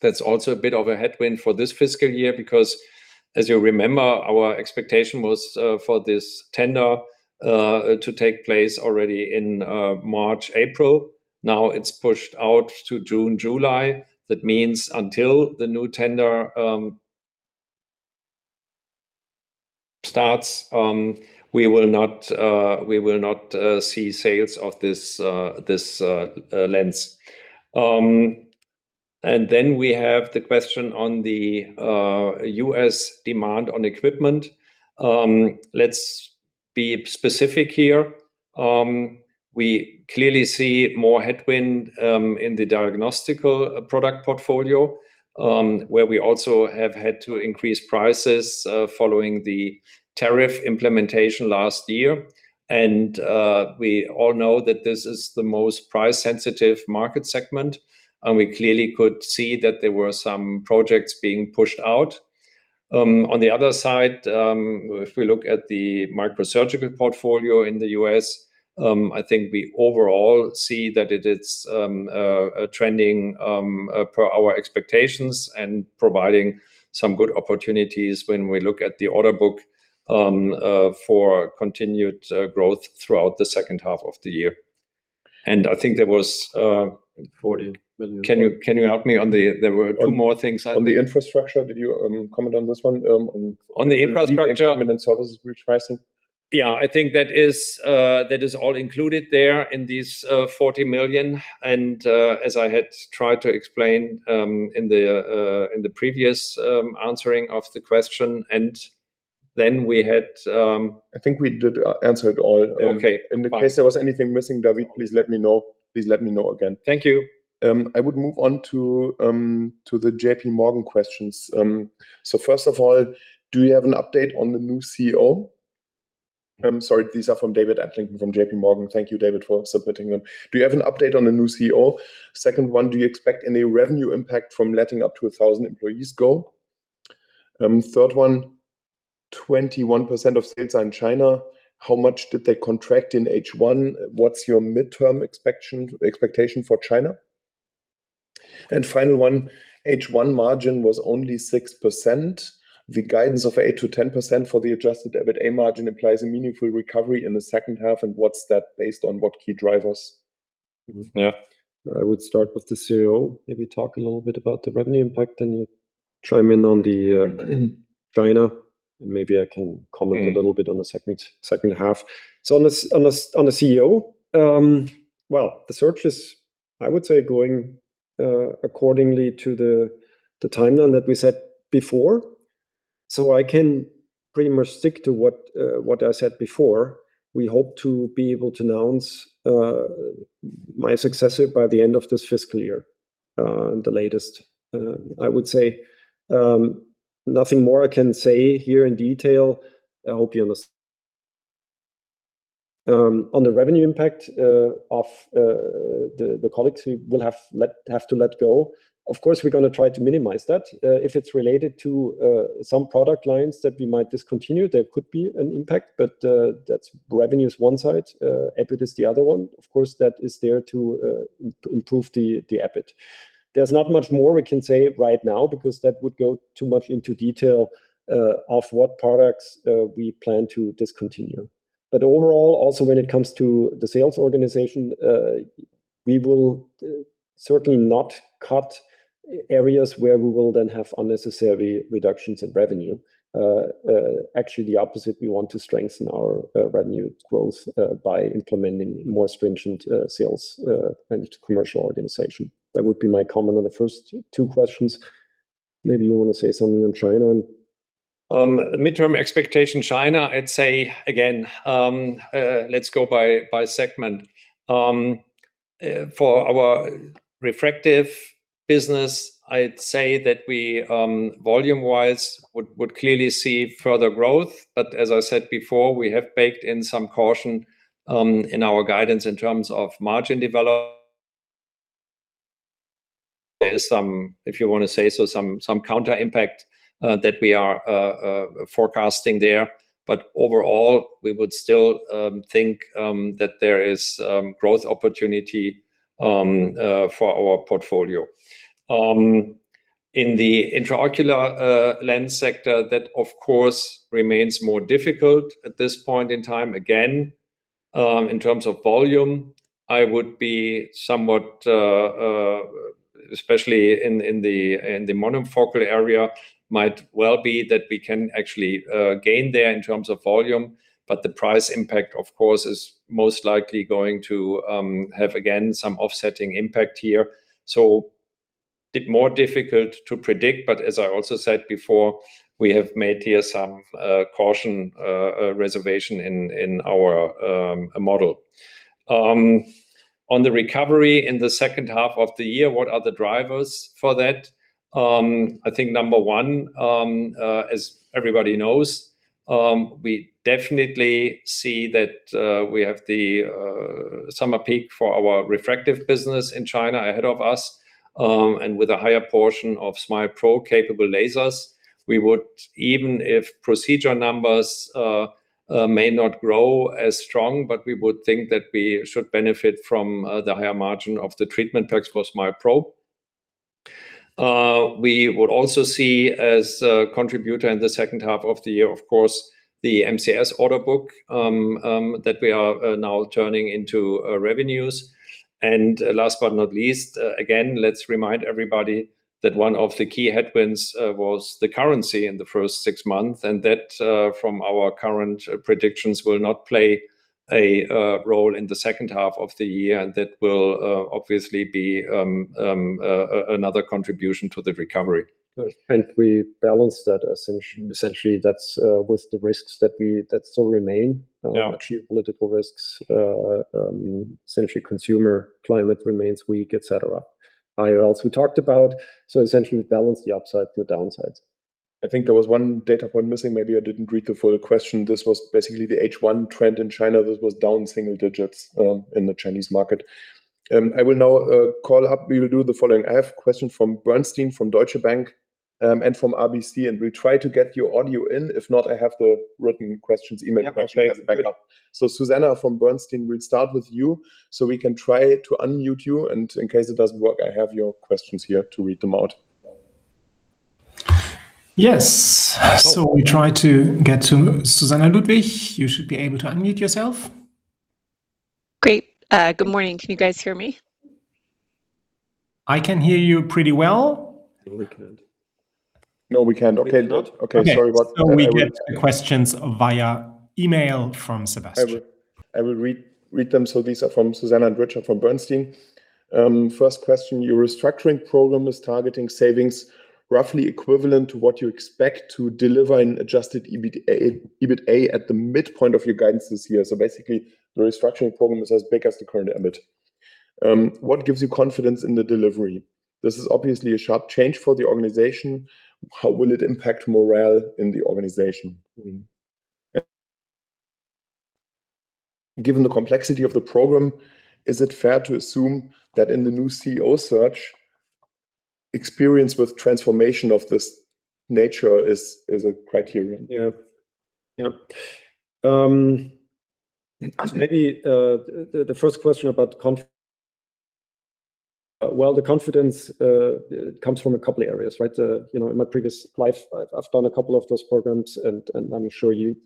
that's also a bit of a headwind for this fiscal year because, as you remember, our expectation was for this tender to take place already in March, April. Now it's pushed out to June, July. That means until the new tender starts, we will not see sales of this lens. And then we have the question on the U.S. demand on equipment. Let's be specific here. We clearly see more headwind in the diagnostical product portfolio, where we also have had to increase prices following the tariff implementation last year. We all know that this is the most price-sensitive market segment, and we clearly could see that there were some projects being pushed out. On the other side, if we look at the microsurgical portfolio in the U.S., I think we overall see that it is trending per our expectations and providing some good opportunities when we look at the order book for continued growth throughout the second half of the year. 40 million. Can you help me. There were two more things. On the infrastructure, did you comment on this one? On the infrastructure. Okay. Sales VISUMAX 800. Yeah. I think that is all included there in this 40 million, and as I had tried to explain in the previous answering of the question then we had. I think we did answer it all. Okay, fine. In the case there was anything missing, David, please let me know. Please let me know again. Thank you. I would move on to the JPMorgan questions. First of all, do you have an update on the new CEO? I'm sorry, these are from David Allington from JPMorgan. Thank you David for submitting them. Do you have an update on the new CEO? Second one, do you expect any revenue impact from letting up to 1,000 employees go? Third one, 21% of sales are in China, how much did they contract in H1? What's your midterm expectation for China? Final one, H1 margin was only 6%, the guidance of 8%-10% for the adjusted EBITA margin implies a meaningful recovery in the second half, and what's that based on, what key drivers? Yeah. I would start with the CEO, maybe talk a little bit about the revenue impact, then you chime in on the. China, and maybe I can comment a little bit on the second half. On the CEO, well, the search is, I would say, going accordingly to the timeline that we set before. I can pretty much stick to what I said before. We hope to be able to announce my successor by the end of this fiscal year, the latest. I would say, nothing more I can say here in detail. On the revenue impact of the colleagues we will have to let go, of course we're gonna try to minimize that. If it's related to some product lines that we might discontinue, there could be an impact, but that's revenue is one side, EBIT is the other one. Of course that is there to improve the EBIT. There's not much more we can say right now because that would go too much into detail of what products we plan to discontinue. But overall, also when it comes to the sales organization, we will certainly not cut areas where we will then have unnecessary reductions in revenue. Actually the opposite, we want to strengthen our revenue growth by implementing more stringent sales and commercial organization. That would be my comment on the first two questions. Maybe you wanna say something on China. Midterm expectation China, I'd say again, let's go by segment. For our refractive business, I'd say that we volume-wise, would clearly see further growth. As I said before, we have baked in some caution in our guidance in terms of margin develop. There's some, if you wanna say so, some counter impact that we are forecasting there. Overall, we would still think that there is growth opportunity for our portfolio. In the intraocular lens sector, that of course remains more difficult at this point in time. Again, in terms of volume, I would be somewhat, especially in the monofocal area, might well be that we can actually gain there in terms of volume. The price impact, of course, is most likely going to have, again, some offsetting impact here. Bit more difficult to predict, but as I also said before, we have made here some caution reservation in our model. On the recovery in the second half of the year, what are the drivers for that? I think number one, as everybody knows, we definitely see that we have the summer peak for our refractive business in China ahead of us. And with a higher portion of SMILE pro capable lasers, we would, even if procedure numbers may not grow as strong, but we would think that we should benefit from the higher margin of the treatment packs post SMILE pro. We would also see as a contributor in the second half of the year, of course, the MCS order book that we are now turning into revenues. Last but not least, again, let's remind everybody that one of the key headwinds was the currency in the first six months, and that from our current predictions will not play a role in the second half of the year. That will obviously be another contribution to the recovery. We balance that essentially with the risks that still remain. Yeah. Geopolitical risks, essentially consumer climate remains weak, et cetera. IOLs we talked about. Essentially we balance the upsides with downsides. I think there was one data point missing, maybe I didn't read the full question. This was basically the H1 trend in China. This was down single digits in the Chinese market. I will now call up, we will do the following. I have question from Bernstein, from Deutsche Bank, and from RBC. We'll try to get your audio in. If not, I have the written questions emailed back up. Yeah. Susannah from Bernstein, we'll start with you. We can try to unmute you, and in case it doesn't work, I have your questions here to read them out. Yes. We try to get to Susannah Ludwig. You should be able to unmute yourself. Great. good morning. Can you guys hear me? I can hear you pretty well. No, we can't. Okay, good. Okay, sorry about that. Okay. We get the questions via email from Sebastian. I will read them. These are from Susannah Ludwig and Richard Schwam from Bernstein. First question, your restructuring program is targeting savings roughly equivalent to what you expect to deliver in adjusted EBITDA, EBITA at the midpoint of your guidance this year. Basically, the restructuring program is as big as the current EBIT. What gives you confidence in the delivery? This is obviously a sharp change for the organization. How will it impact morale in the organization? Given the complexity of the program, is it fair to assume that in the new CEO search, experience with transformation of this nature is a criterion? Yeah. Yeah. Maybe, the first question about Well, the confidence comes from a couple areas, right? You know, in my previous life, I've done a couple of those programs, and I'm sure you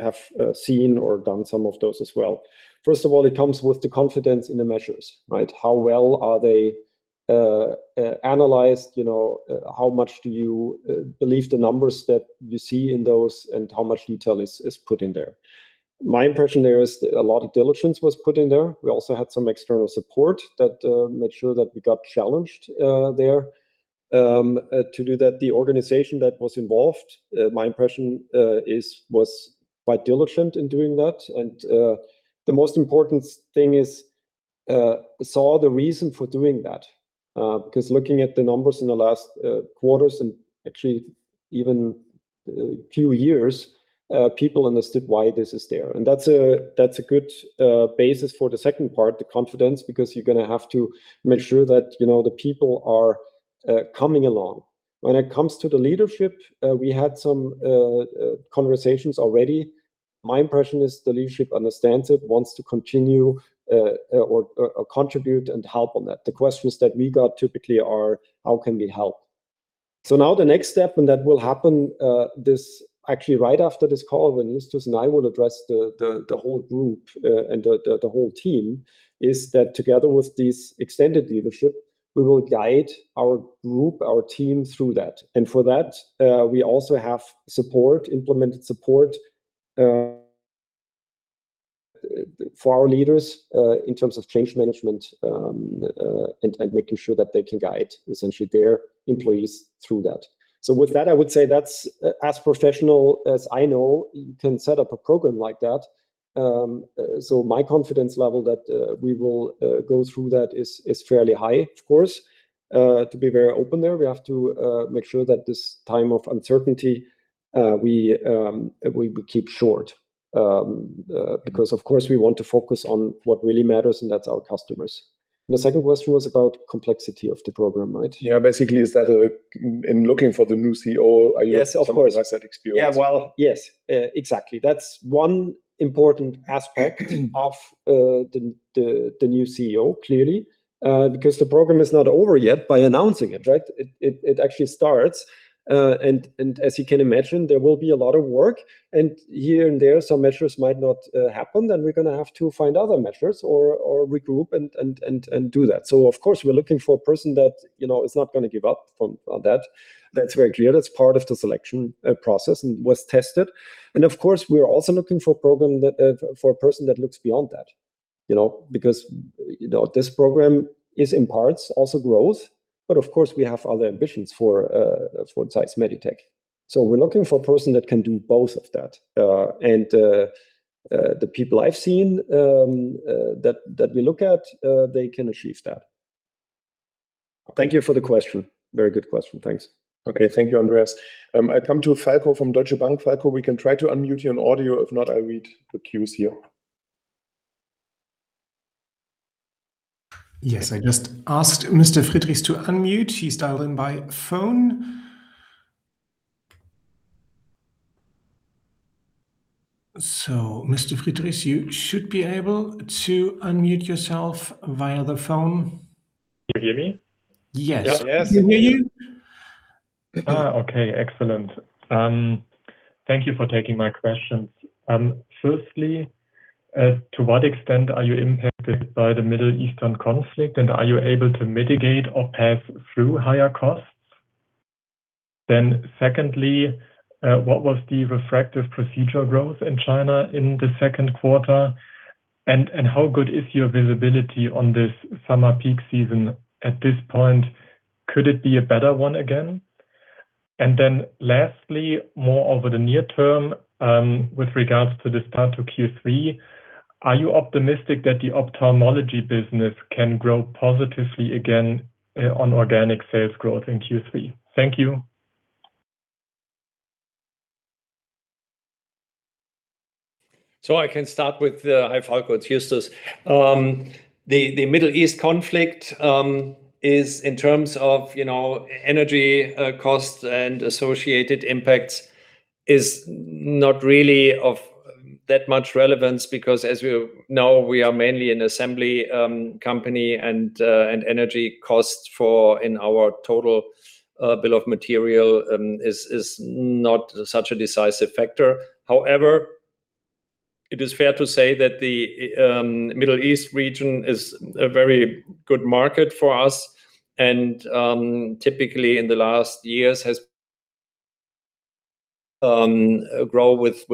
have seen or done some of those as well. First of all, it comes with the confidence in the measures, right? How well are they analyzed? You know, how much do you believe the numbers that you see in those, and how much detail is put in there? My impression there is a lot of diligence was put in there. We also had some external support that made sure that we got challenged there. To do that, the organization that was involved, my impression, is was quite diligent in doing that. The most important thing is saw the reason for doing that. Because looking at the numbers in the last quarters and actually even few years, people understood why this is there. That's a, that's a good basis for the second part, the confidence, because you're gonna have to make sure that, you know, the people are coming along. When it comes to the leadership, we had some conversations already. My impression is the leadership understands it, wants to continue or contribute and help on that. The questions that we got typically are, "How can we help?" Now the next step, and that will happen actually right after this call, when Justus and I will address the whole group and the whole team, is that together with this extended leadership, we will guide our group, our team through that. For that, we also have support, implemented support for our leaders in terms of change management, and making sure that they can guide essentially their employees through that. With that, I would say that's as professional as I know you can set up a program like that. My confidence level that we will go through that is fairly high, of course. To be very open there, we have to make sure that this time of uncertainty, we will keep short. Because of course, we want to focus on what really matters, and that's our customers. The second question was about complexity of the program, right? Yeah, basically, is that in looking for the new CEO? Yes, of course. Looking for that set experience? Yeah, well, yes. Exactly. That's one important aspect of the new CEO, clearly. Because the program is not over yet by announcing it, right? It actually starts. As you can imagine, there will be a lot of work. Here and there, some measures might not happen, then we're gonna have to find other measures or regroup and do that. Of course, we're looking for a person that, you know, is not gonna give up on that. That's very clear. That's part of the selection process and was tested. Of course, we're also looking for a program that for a person that looks beyond that. You know, because, you know, this program is in parts also growth. Of course, we have other ambitions for ZEISS Meditec. We're looking for a person that can do both of that. The people I've seen that we look at, they can achieve that. Thank you for the question. Very good question. Thanks. Okay. Thank you, Andreas. I come to Falko from Deutsche Bank. Falko, we can try to unmute you on audio. If not, I read the cues here. Yes, I just asked Mr. Friedrichs to unmute. He's dialed in by phone. Mr. Friedrichs, you should be able to unmute yourself via the phone. Can you hear me? Yes. Yes. Can you hear you? Okay, excellent. Thank you for taking my questions. Firstly, to what extent are you impacted by the Middle Eastern conflict? Are you able to mitigate or pass through higher costs? Secondly, what was the refractive procedure growth in China in the second quarter? How good is your visibility on this summer peak season at this point? Could it be a better one again? Lastly, more over the near term, with regards to the start of Q3, are you optimistic that the ophthalmology business can grow positively again on organic sales growth in Q3? Thank you. I can start with Hi, Falko. It's Justus. The Middle East conflict is in terms of, you know, energy costs and associated impacts, is not really of that much relevance because as we know, we are mainly an assembly company and energy costs in our total bill of material is not such a decisive factor. It is fair to say that the Middle East region is a very good market for us and typically in the last years has Grow with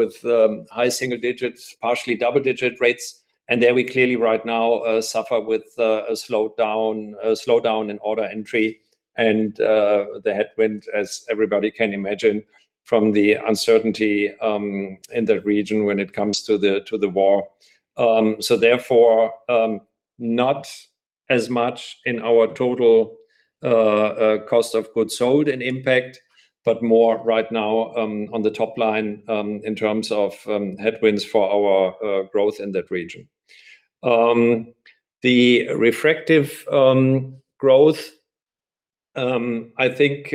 high single digits, partially double digit rates. There we clearly right now suffer with a slowdown in order entry and the headwind, as everybody can imagine, from the uncertainty in that region when it comes to the war. Therefore, not as much in our total cost of goods sold and impact, but more right now on the top line in terms of headwinds for our growth in that region. The refractive growth, I think,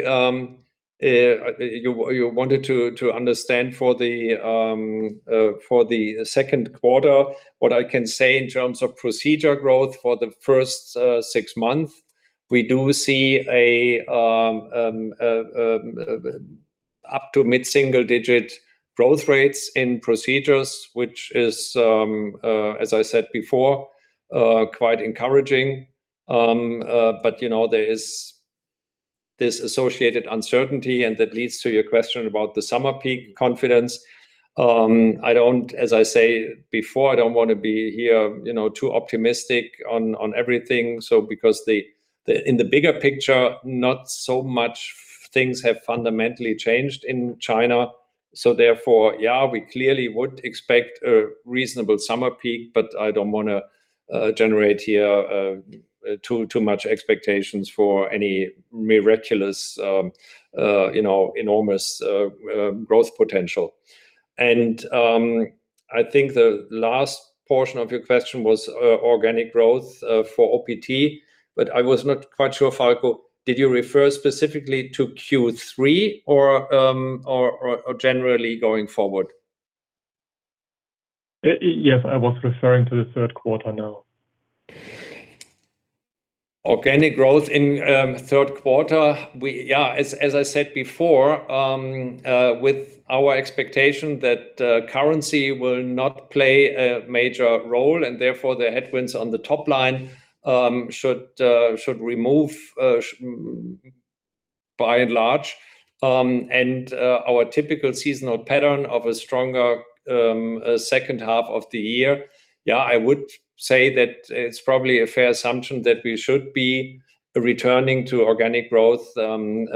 you wanted to understand for the second quarter. What I can say in terms of procedure growth for the first six months, we do see a up to mid-single digit growth rates in procedures, which is as I said before, quite encouraging. You know, there is this associated uncertainty, and that leads to your question about the summer peak confidence. I don't, as I say before, I don't wanna be here, you know, too optimistic on everything. Because the in the bigger picture, not so much things have fundamentally changed in China. Therefore, yeah, we clearly would expect a reasonable summer peak, but I don't wanna generate here too much expectations for any miraculous, you know, enormous growth potential. I think the last portion of your question was organic growth for OPT, but I was not quite sure, Falko, did you refer specifically to Q3 or generally going forward? Yes, I was referring to the third quarter now. Organic growth in third quarter, we Yeah, as I said before, with our expectation that currency will not play a major role and therefore the headwinds on the top line, should remove by and large, and our typical seasonal pattern of a stronger second half of the year. Yeah, I would say that it is probably a fair assumption that we should be returning to organic growth in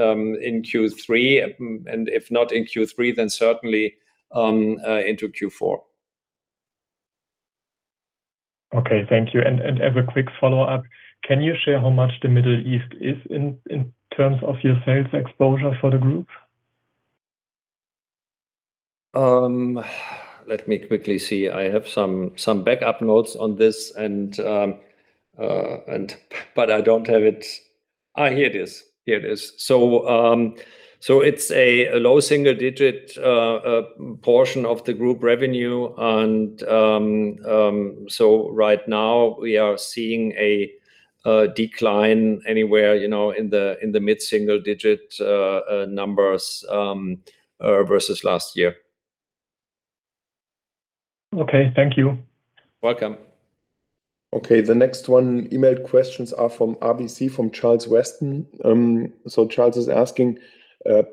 Q3, and if not in Q3, then certainly into Q4. Okay. Thank you. As a quick follow-up, can you share how much the Middle East is in terms of your sales exposure for the group? Let me quickly see. I have some backup notes on this but I don't have it. Here it is. Here it is. It's a low single digit portion of the group revenue and right now we are seeing a decline anywhere, you know, in the mid-single digit numbers versus last year. Okay. Thank you. Welcome. Okay. The next one emailed questions are from RBC, from Charles Weston. Charles is asking,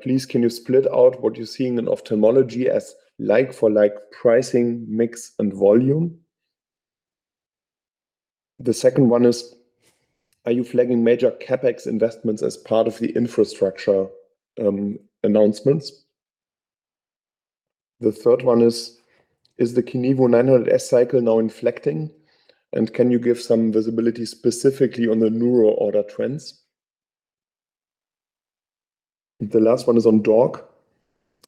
"Please, can you split out what you're seeing in Ophthalmology as like-for-like pricing, mix and volume?" The second one is: "Are you flagging major CapEx investments as part of the infrastructure, announcements?" The third one is: "Is the KINEVO 900 S cycle now inflecting? Can you give some visibility specifically on the neurosurgery order trends?" The last one is on DORC.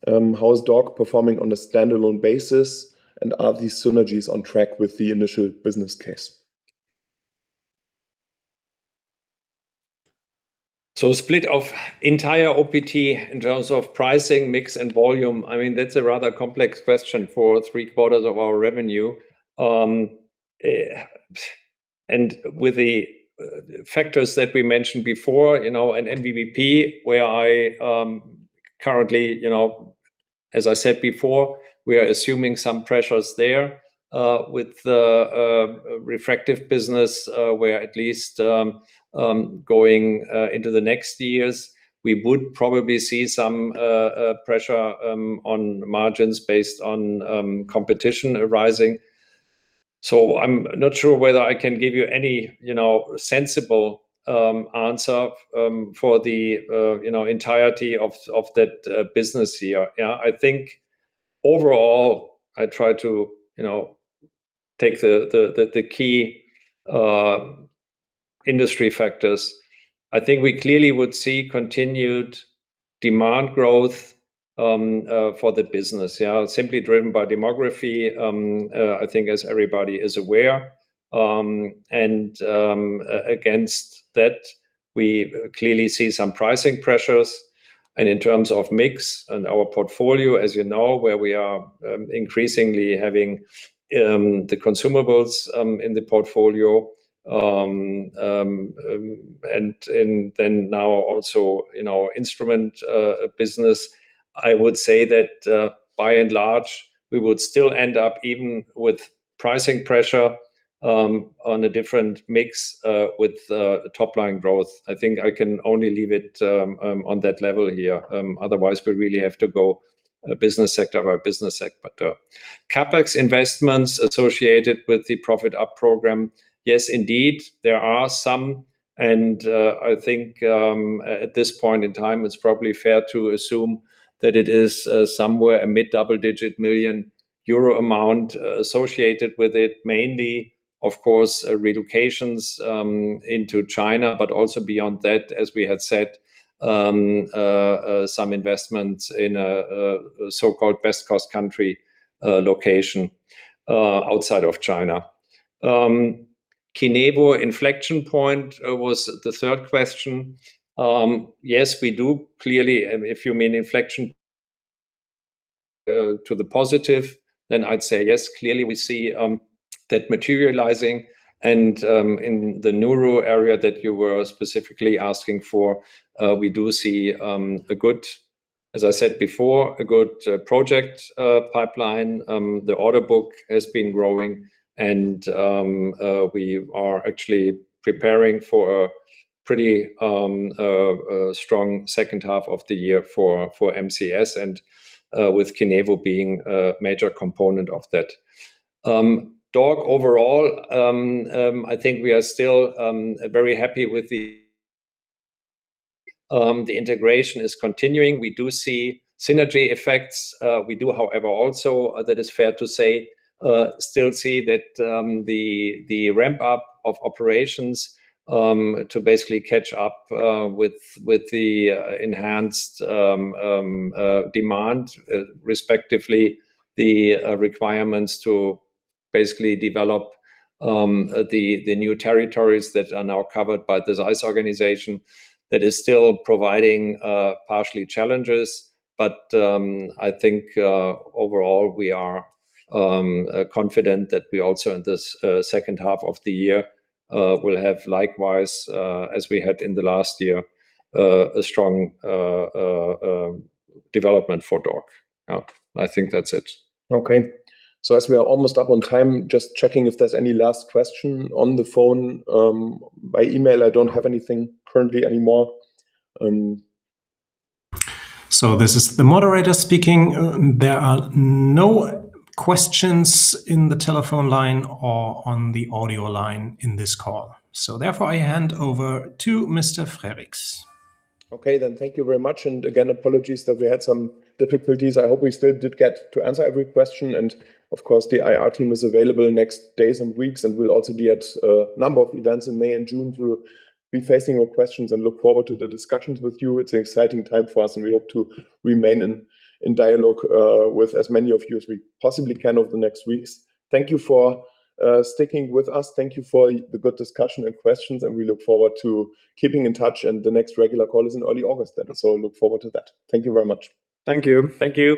"How is DORC performing on a standalone basis? Are these synergies on track with the initial business case? Split of entire OPT in terms of pricing, mix and volume, I mean, that's a rather complex question for three-quarters of our revenue. With the factors that we mentioned before, you know, in VBP, where I currently, you know, as I said before, we are assuming some pressures there, with the refractive business, where at least going into the next years, we would probably see some pressure on margins based on competition arising. I'm not sure whether I can give you any, you know, sensible answer for the, you know, entirety of that business here. I think overall I try to, you know, take the key industry factors. I think we clearly would see continued demand growth for the business, you know, simply driven by demography, I think as everybody is aware. Against that, we clearly see some pricing pressures. In terms of mix and our portfolio, as you know, where we are, increasingly having the consumables in the portfolio, and then now also in our instrument business, I would say that by and large, we would still end up, even with pricing pressure, on a different mix, with top line growth. I think I can only leave it on that level here. Otherwise we really have to go a business sector by business sector. CapEx investments associated with the Profit Up Program, yes, indeed, there are some. I think at this point in time, it's probably fair to assume that it is somewhere a mid double-digit million euro amount associated with it. Mainly, of course, relocations into China, but also beyond that, as we had said, some investments in so-called best cost country location outside of China. KINEVO inflection point was the third question. Yes, we do clearly, if you mean inflection to the positive, then I'd say yes. Clearly, we see that materializing and in the neurosurgery area that you were specifically asking for, we do see a good, as I said before, a good project pipeline. The order book has been growing and we are actually preparing for a strong second half of the year for MCS and with KINEVO being a major component of that. DORC overall, I think we are still very happy with the integration is continuing. We do see synergy effects. We do, however, still see that the ramp up of operations to basically catch up with the enhanced demand respectively the requirements to basically develop the new territories that are now covered by the ZEISS organization that is still providing partially challenges. I think overall, we are confident that we also, in this second half of the year, will have likewise, as we had in the last year, a strong development for DORC. Yeah. I think that's it. Okay. As we are almost up on time, just checking if there's any last question on the phone. By email, I don't have anything currently anymore. This is the moderator speaking. There are no questions in the telephone line or on the audio line in this call. Therefore, I hand over to Mr. Frericks. Okay then. Thank you very much. Again, apologies that we had some difficulties. I hope we still did get to answer every question. Of course, the IR team is available next days and weeks, and we'll also be at a number of events in May and June. We'll be facing your questions and look forward to the discussions with you. It's an exciting time for us, and we hope to remain in dialogue with as many of you as we possibly can over the next weeks. Thank you for sticking with us. Thank you for the good discussion and questions, and we look forward to keeping in touch and the next regular call is in early August then. Look forward to that. Thank you very much. Thank you. Thank you.